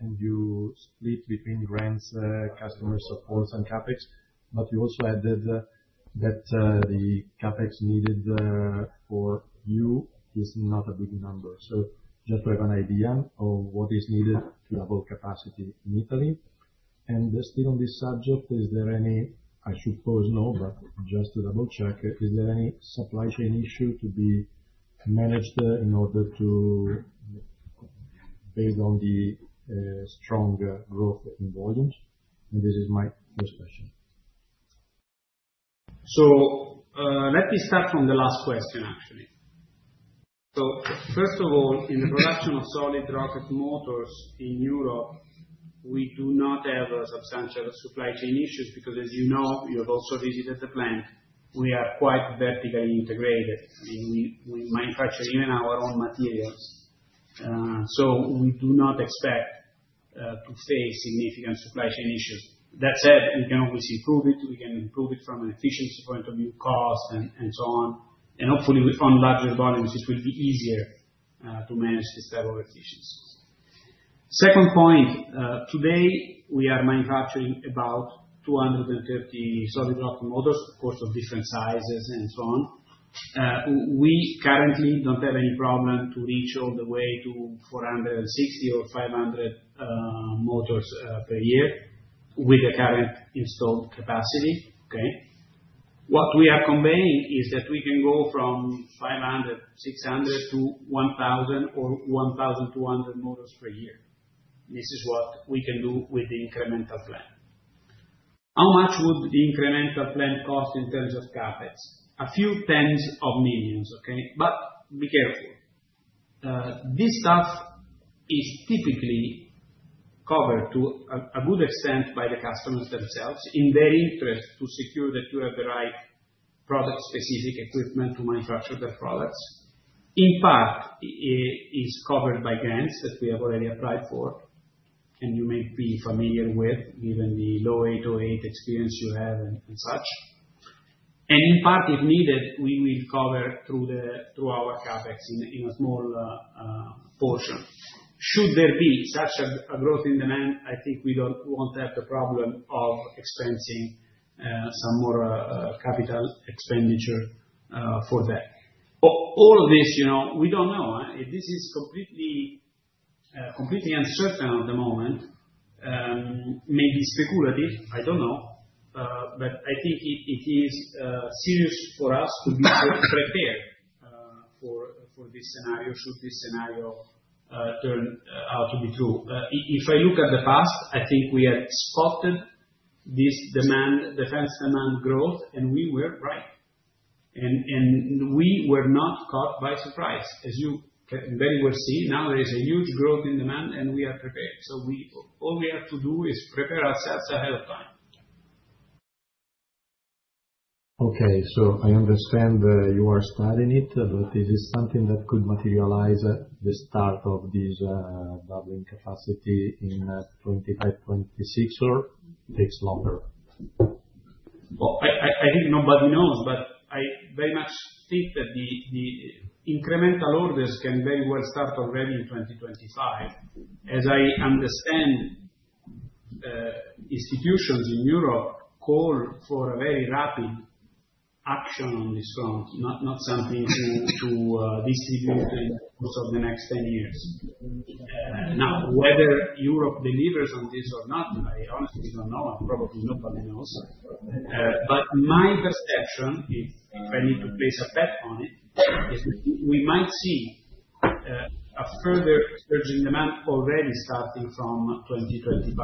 and you split between RENS, customer support, and CapEx. You also added that the CapEx needed for you is not a big number. Just to have an idea of what is needed to double capacity in Italy. Still on this subject, is there any, I suppose no, but just to double-check, is there any supply chain issue to be managed in order to, based on the strong growth in volumes? This is my first question. Let me start from the last question, actually. First of all, in the production of solid rocket motors in Europe, we do not have substantial supply chain issues because, as you know, you have also visited the plant. We are quite vertically integrated. I mean, we manufacture even our own materials. We do not expect to face significant supply chain issues. That said, we can always improve it. We can improve it from an efficiency point of view, cost, and so on. Hopefully, on larger volumes, it will be easier to manage this type of efficiency. Second point, today, we are manufacturing about 230 solid rocket motors, of course, of different sizes and so on. We currently do not have any problem to reach all the way to 460 or 500 motors per year with the current installed capacity, okay? What we are conveying is that we can go from 500, 600 to 1,000 or 1,200 motors per year. This is what we can do with the incremental plan. How much would the incremental plan cost in terms of CapEx? A few tens of millions, okay? Be careful. This stuff is typically covered to a good extent by the customers themselves in their interest to secure that you have the right product-specific equipment to manufacture their products. In part, it is covered by grants that we have already applied for, and you may be familiar with, given the low-808 experience you have and such. In part, if needed, we will cover through our CapEx in a small portion. Should there be such a growth in demand, I think we do not want to have the problem of expensing some more capital expenditure for that. All of this, we do not know. This is completely uncertain at the moment, maybe speculative. I do not know. I think it is serious for us to be prepared for this scenario should this scenario turn out to be true. If I look at the past, I think we had spotted this defense demand growth, and we were right. We were not caught by surprise, as you very well see. Now there is a huge growth in demand, and we are prepared. All we have to do is prepare ourselves ahead of time. Okay. I understand you are studying it, but is it something that could materialize at the start of this doubling capacity in 2025, 2026, or takes longer? I think nobody knows, but I very much think that the incremental orders can very well start already in 2025. As I understand, institutions in Europe call for a very rapid action on this front, not something to distribute in the course of the next 10 years. Now, whether Europe delivers on this or not, I honestly don't know. Probably nobody knows. My perception, if I need to place a bet on it, is that we might see a further surge in demand already starting from 2025.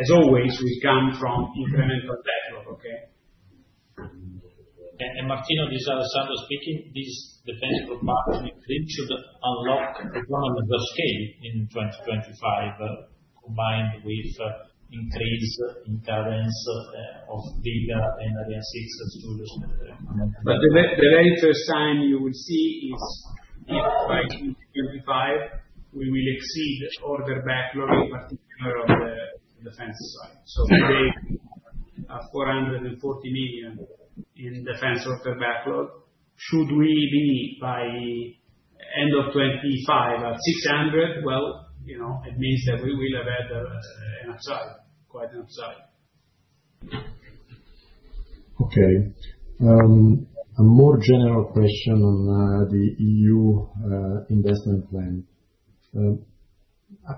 As always, we come from incremental backlog, okay? Martino, this is Alessandro speaking. This defense propulsion increase should unlock economic scale in 2025, combined with increase in cadence of Vega and Ariane 6 studios. The very first sign you will see is if by 2025, we will exceed order backlog, in particular on the defense side. Today, 440 million in defense order backlog. Should we be by end of 2025 at 600 million, it means that we will have had an upside, quite an upside. Okay. A more general question on the EU investment plan.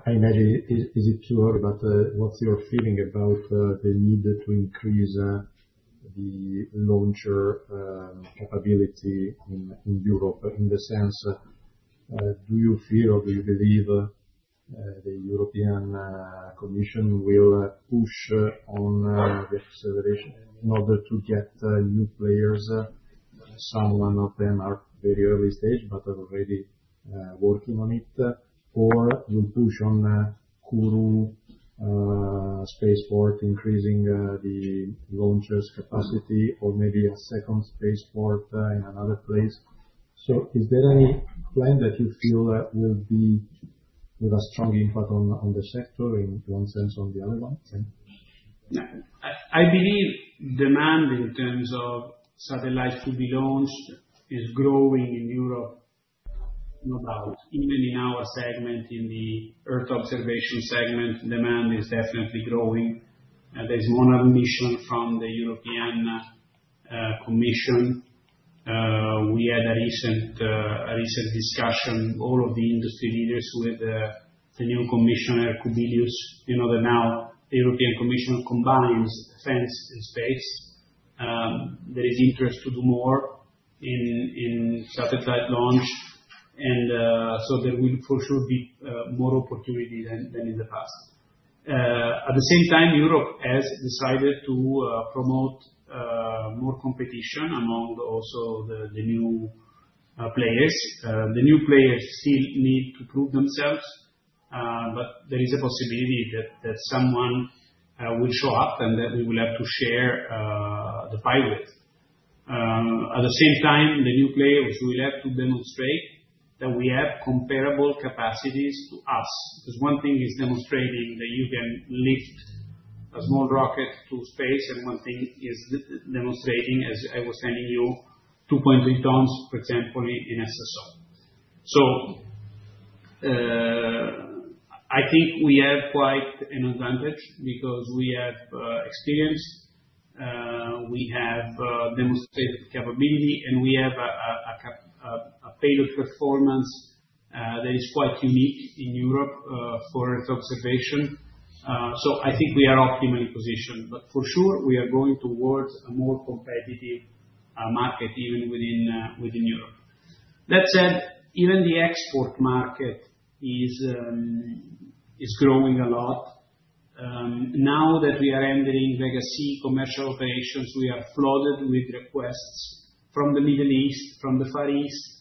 I imagine it isn't too early, but what's your feeling about the need to increase the launcher capability in Europe in the sense do you feel or do you believe the European Commission will push on the acceleration in order to get new players? Some of them are very early stage, but are already working on it. You will push on Kourou Spaceport, increasing the launcher's capacity, or maybe a second spaceport in another place. Is there any plan that you feel will be with a strong impact on the sector in one sense or the other one? I believe demand in terms of satellites to be launched is growing in Europe, no doubt. Even in our segment, in the Earth observation segment, demand is definitely growing. There is one other mission from the European Commission. We had a recent discussion, all of the industry leaders with the new Commissioner, Kubilius. You know that now the European Commission combines defense and space. There is interest to do more in satellite launch. There will for sure be more opportunity than in the past. At the same time, Europe has decided to promote more competition among also the new players. The new players still need to prove themselves, but there is a possibility that someone will show up and that we will have to share the pile with. At the same time, the new players will have to demonstrate that we have comparable capacities to us. Because one thing is demonstrating that you can lift a small rocket to space, and one thing is demonstrating, as I was telling you, 2.3 tons, for example, in SSO. I think we have quite an advantage because we have experience, we have demonstrated capability, and we have a payload performance that is quite unique in Europe for Earth observation. I think we are optimally positioned. For sure, we are going towards a more competitive market even within Europe. That said, even the export market is growing a lot. Now that we are entering Vega C commercial operations, we are flooded with requests from the Middle East, from the Far East,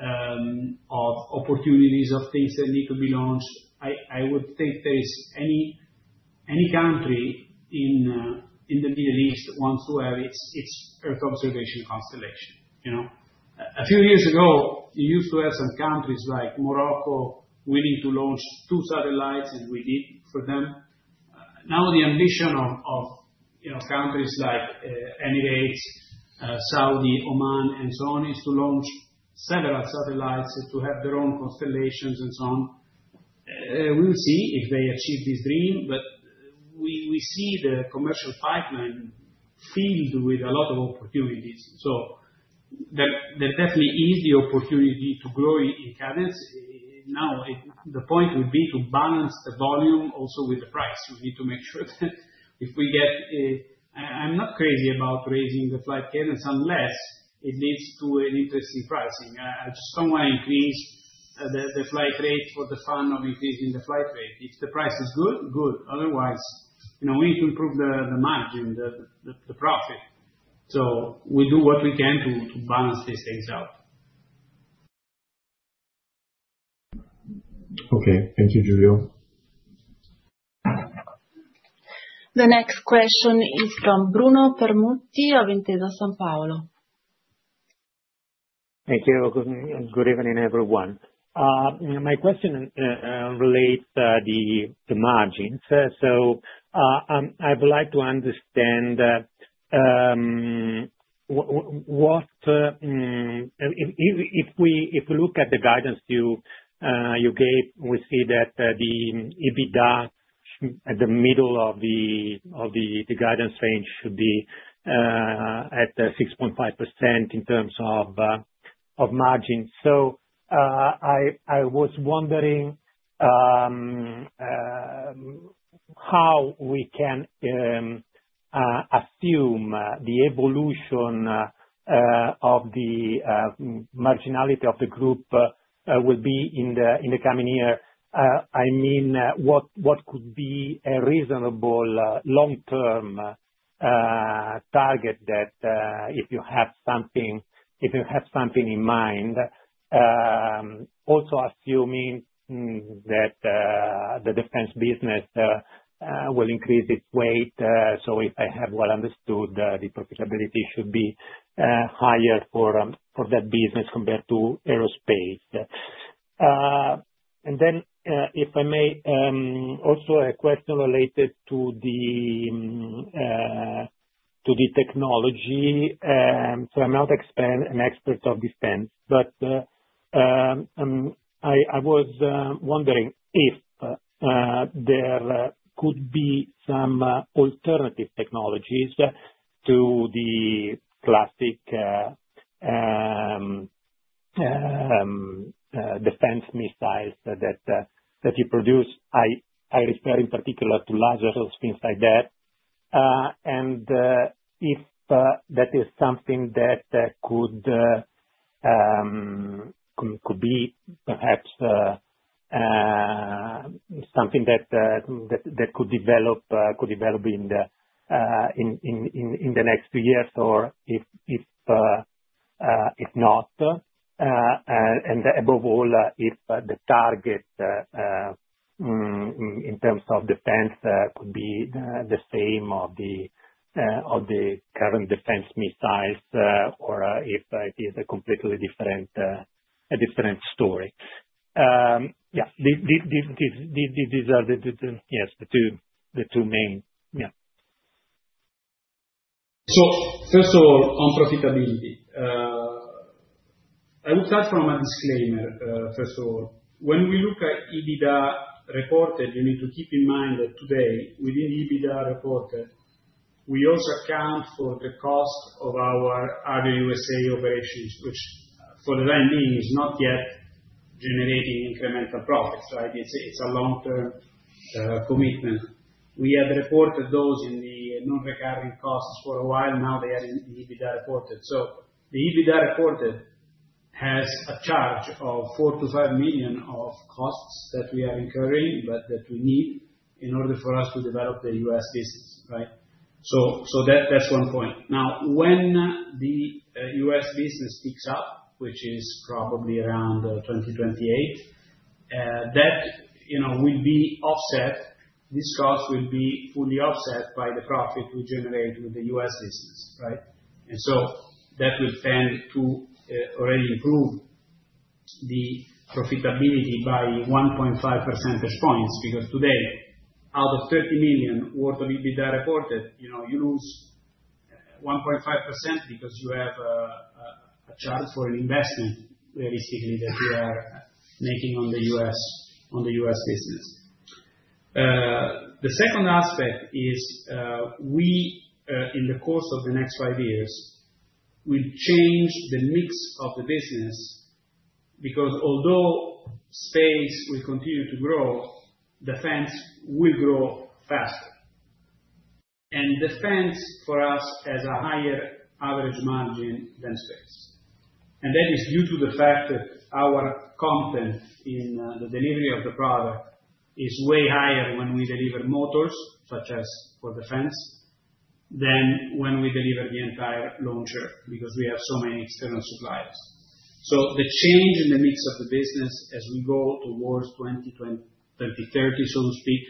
of opportunities of things that need to be launched. I would think there is any country in the Middle East that wants to have its Earth observation constellation. A few years ago, you used to have some countries like Morocco willing to launch two satellites, and we did for them. Now the ambition of countries like Emirates, Saudi, Oman, and so on is to launch several satellites to have their own constellations and so on. We will see if they achieve this dream, but we see the commercial pipeline filled with a lot of opportunities. There definitely is the opportunity to grow in cadence. Now, the point would be to balance the volume also with the price. We need to make sure that if we get—I am not crazy about raising the flight cadence unless it leads to an interesting pricing. I just do not want to increase the flight rate for the fun of increasing the flight rate. If the price is good, good. Otherwise, we need to improve the margin, the profit. We do what we can to balance these things out. Okay. Thank you, Giulio Ranzo. The next question is from Bruno Permutti of Intesa Sanpaolo. Thank you. Good evening, everyone. My question relates to the margins. I would like to understand what—if we look at the guidance you gave, we see that the EBITDA at the middle of the guidance range should be at 6.5% in terms of margin. I was wondering how we can assume the evolution of the marginality of the group will be in the coming year. I mean, what could be a reasonable long-term target that if you have something in mind, also assuming that the defense business will increase its weight. If I have well understood, the profitability should be higher for that business compared to aerospace. If I may, also a question related to the technology. I am not an expert of defense, but I was wondering if there could be some alternative technologies to the classic defense missiles that you produce. I refer in particular to lasers, things like that. If that is something that could be perhaps something that could develop in the next few years, or if not. Above all, if the target in terms of defense could be the same as the current defense missiles, or if it is a completely different story. These are the two main. Yeah. First of all, on profitability. I would start from a disclaimer, first of all. When we look at EBITDA reported, you need to keep in mind that today, within the EBITDA reported, we also account for the cost of our U.S. operations, which for the time being is not yet generating incremental profits, right? It's a long-term commitment. We had reported those in the non-recurring costs for a while. Now they are in EBITDA reported. So the EBITDA reported has a charge of 4 million-5 million of costs that we are incurring, but that we need in order for us to develop the U.S., business, right? That's one point. Now, when the U.S., business picks up, which is probably around 2028, that will be offset. These costs will be fully offset by the profit we generate with the U.S. business, right? That will tend to already improve the profitability by 1.5 percentage points. Because today, out of 30 million worth of EBITDA reported, you lose 1.5% because you have a charge for an investment, realistically, that you are making on the U.S., business. The second aspect is, in the course of the next five years, we'll change the mix of the business because although space will continue to grow, defense will grow faster. Defense for us has a higher average margin than space. That is due to the fact that our content in the delivery of the product is way higher when we deliver motors, such as for defense, than when we deliver the entire launcher because we have so many external suppliers. The change in the mix of the business as we go towards 2030, so to speak,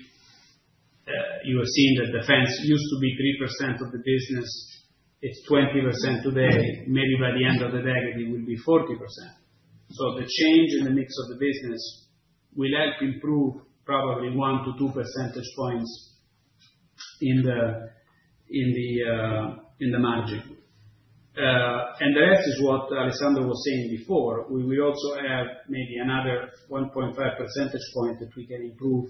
you have seen that defense used to be 3% of the business. It's 20% today. Maybe by the end of the decade, it will be 40%. The change in the mix of the business will help improve probably 1 to 2 percentage points in the margin. The rest is what Alessandro was saying before. We will also have maybe another 1.5 percentage point that we can improve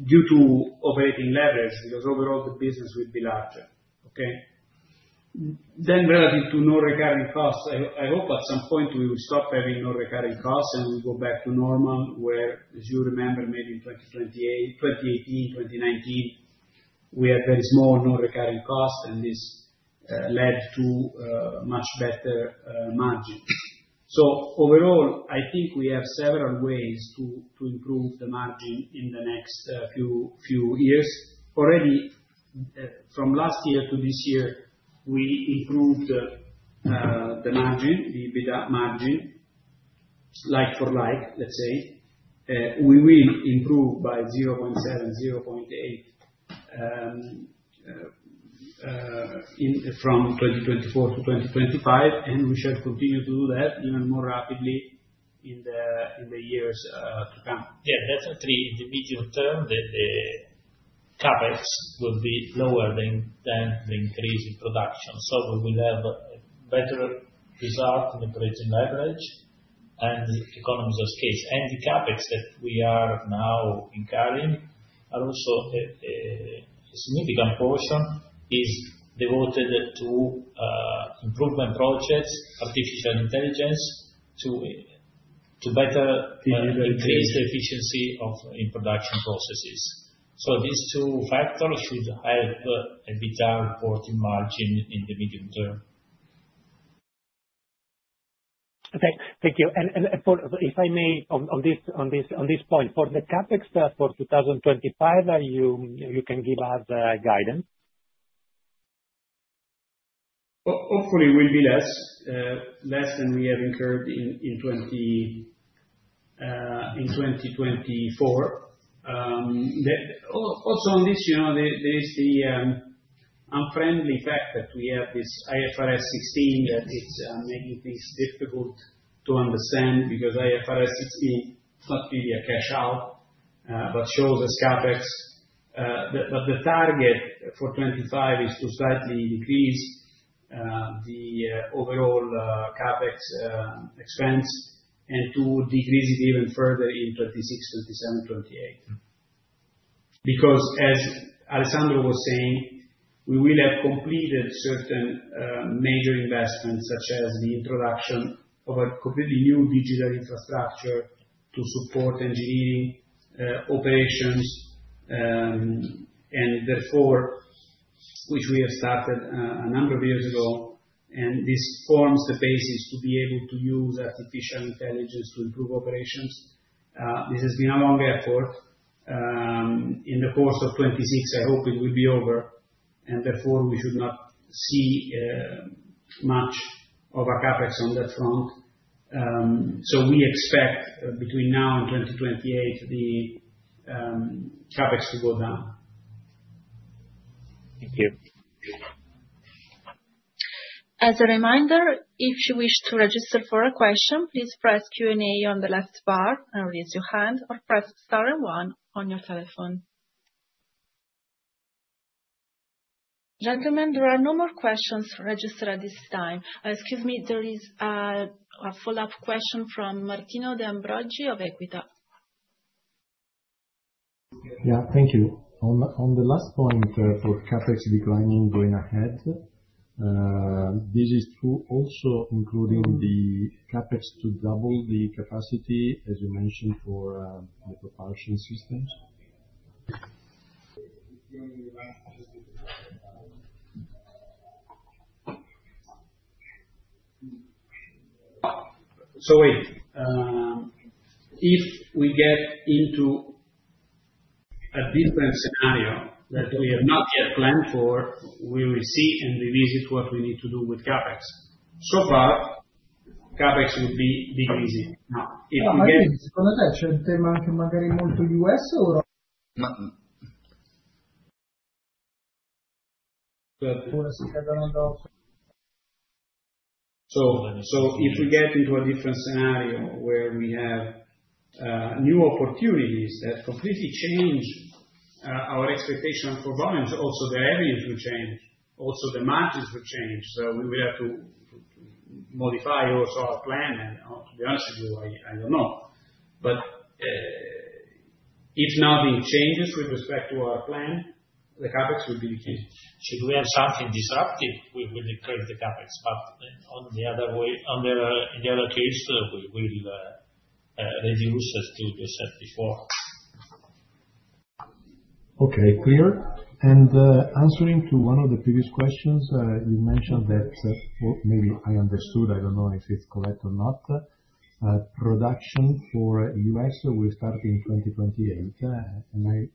due to operating leverage because overall, the business will be larger, okay? Relative to non-recurring costs, I hope at some point we will stop having non-recurring costs and we go back to normal where, as you remember, maybe in 2018, 2019, we had very small non-recurring costs, and this led to much better margins. Overall, I think we have several ways to improve the margin in the next few years. Already, from last year to this year, we improved the margin, the EBITDA margin, like for like, let's say. We will improve by 0.7-0.8 from 2024 to 2025, and we shall continue to do that even more rapidly in the years to come. Yeah. Definitely, in the medium term, the CapEx will be lower than the increase in production. We will have a better result in operating leverage and economies of scale. The CapEx that we are now incurring are also a significant portion is devoted to improvement projects, artificial intelligence, to better increase the efficiency of production processes. These two factors should help EBITDA reporting margin in the medium term. Okay. Thank you. If I may, on this point, for the CapEx for 2025, you can give us guidance. Hopefully, it will be less than we have incurred in 2024. Also, on this, there is the unfriendly fact that we have this IFRS 16 that is making things difficult to understand because IFRS 16 is not really a cash-out, but shows us CapEx. The target for 2025 is to slightly decrease the overall CapEx expense and to decrease it even further in 2026, 2027, 2028. Because, as Alessandro was saying, we will have completed certain major investments, such as the introduction of a completely new digital infrastructure to support engineering operations, which we have started a number of years ago. This forms the basis to be able to use artificial intelligence to improve operations. This has been a long effort. In the course of 2026, I hope it will be over. Therefore, we should not see much of a CapEx on that front. We expect between now and 2028, the CapEx to go down. Thank you. As a reminder, if you wish to register for a question, please press Q&A on the left bar or raise your hand or press * and one on your telephone. Gentlemen, there are no more questions registered at this time. Excuse me, there is a follow-up question from Martino Deambroggi of Equita. Yeah. Thank you. On the last point for CapEx declining going ahead, this is true also including the CapEx to double the capacity, as you mentioned, for the propulsion systems. If we get into a different scenario that we have not yet planned for, we will see and revisit what we need to do with CapEx. So far, CapEx will be decreasing. Now, if we get. Allora, scusate, c'è un tema anche magari molto U.S.Pure a secondo. If we get into a different scenario where we have new opportunities that completely change our expectation for volumes, also the revenues will change. Also, the margins will change. We will have to modify also our plan. To be honest with you, I don't know. If nothing changes with respect to our plan, the CapEx will be decreased. Should we have something disruptive, we will increase the CapEx. In the other case, we will reduce as you said before. Okay. Clear. Answering to one of the previous questions, you mentioned that maybe I understood. I don't know if it's correct or not. Production for U.S., will start in 2028. Am I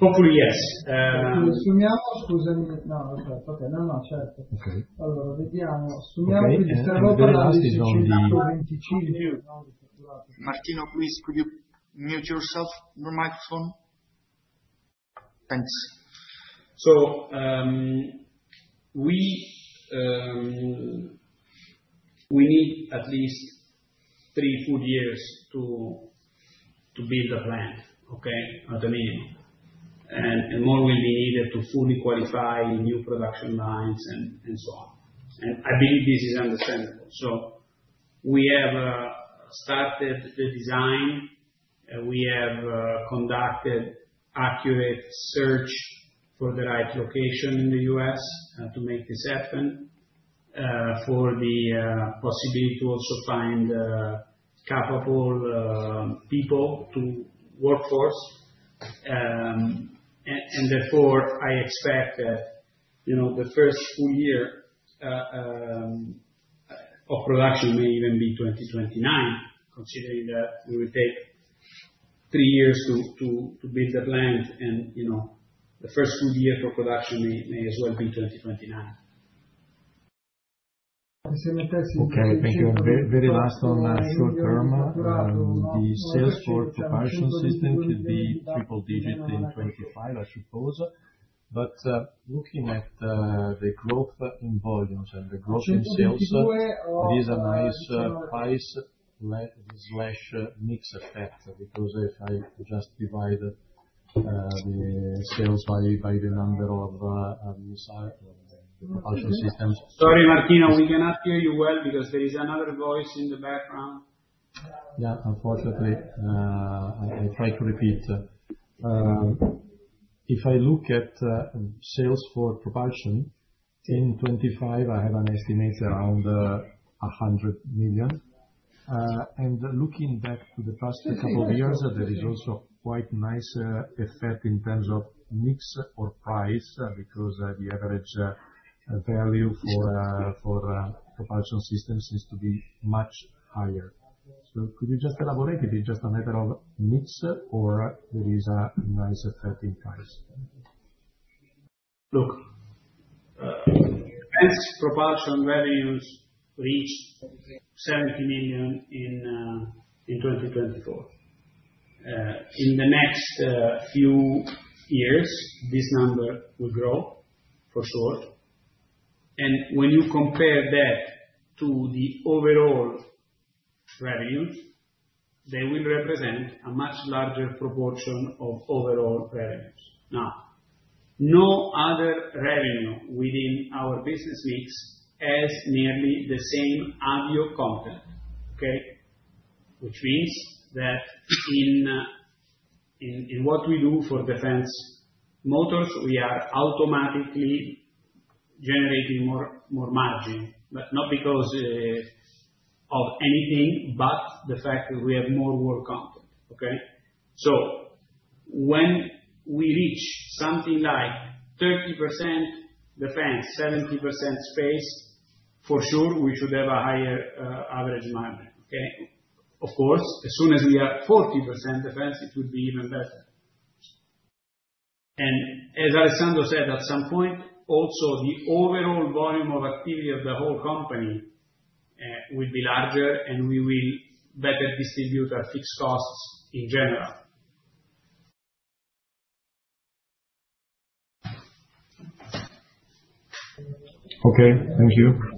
wrong? Hopefully, yes. Sumiamo, scusami. No, okay. No, no, certo. Okay. Allora, vediamo. Sì, quindi saremo parati su un dato 25. Martino, please, could you mute yourself on your microphone? Thanks. We need at least three full years to build a plan, okay, at a minimum. More will be needed to fully qualify new production lines and so on. I believe this is understandable. We have started the design. We have conducted accurate search for the right location in the U.S., to make this happen, for the possibility to also find capable people to work for us. Therefore, I expect that the first full year of production may even be 2029, considering that we will take three years to build the plan. The first full year for production may as well be 2029. Okay. Thank you. Very last on short term. The sales for propulsion system could be triple digit in 2025, I suppose. Looking at the growth in volumes and the growth in sales, it is a nice price/mix effect because if I just divide the sales by the number of missile propulsion systems. Sorry, Martino, we cannot hear you well because there is another voice in the background. Yeah, unfortunately, I tried to repeat. If I look at sales for propulsion in 2025, I have an estimate around 100 million. Looking back to the past couple of years, there is also quite a nice effect in terms of mix or price because the average value for propulsion systems seems to be much higher. Could you just elaborate? Is it just a matter of mix or is there a nice effect in price? Look, as propulsion revenues reached 70 million in 2024, in the next few years, this number will grow for sure. When you compare that to the overall revenues, they will represent a much larger proportion of overall revenues. Now, no other revenue within our business mix has nearly the same audio content, okay? Which means that in what we do for defense motors, we are automatically generating more margin, but not because of anything, but the fact that we have more work content, okay? When we reach something like 30% defense, 70% space, for sure, we should have a higher average margin, okay? Of course, as soon as we are 40% defense, it would be even better. As Alessandro said, at some point, also the overall volume of activity of the whole company will be larger, and we will better distribute our fixed costs in general. Okay. Thank you.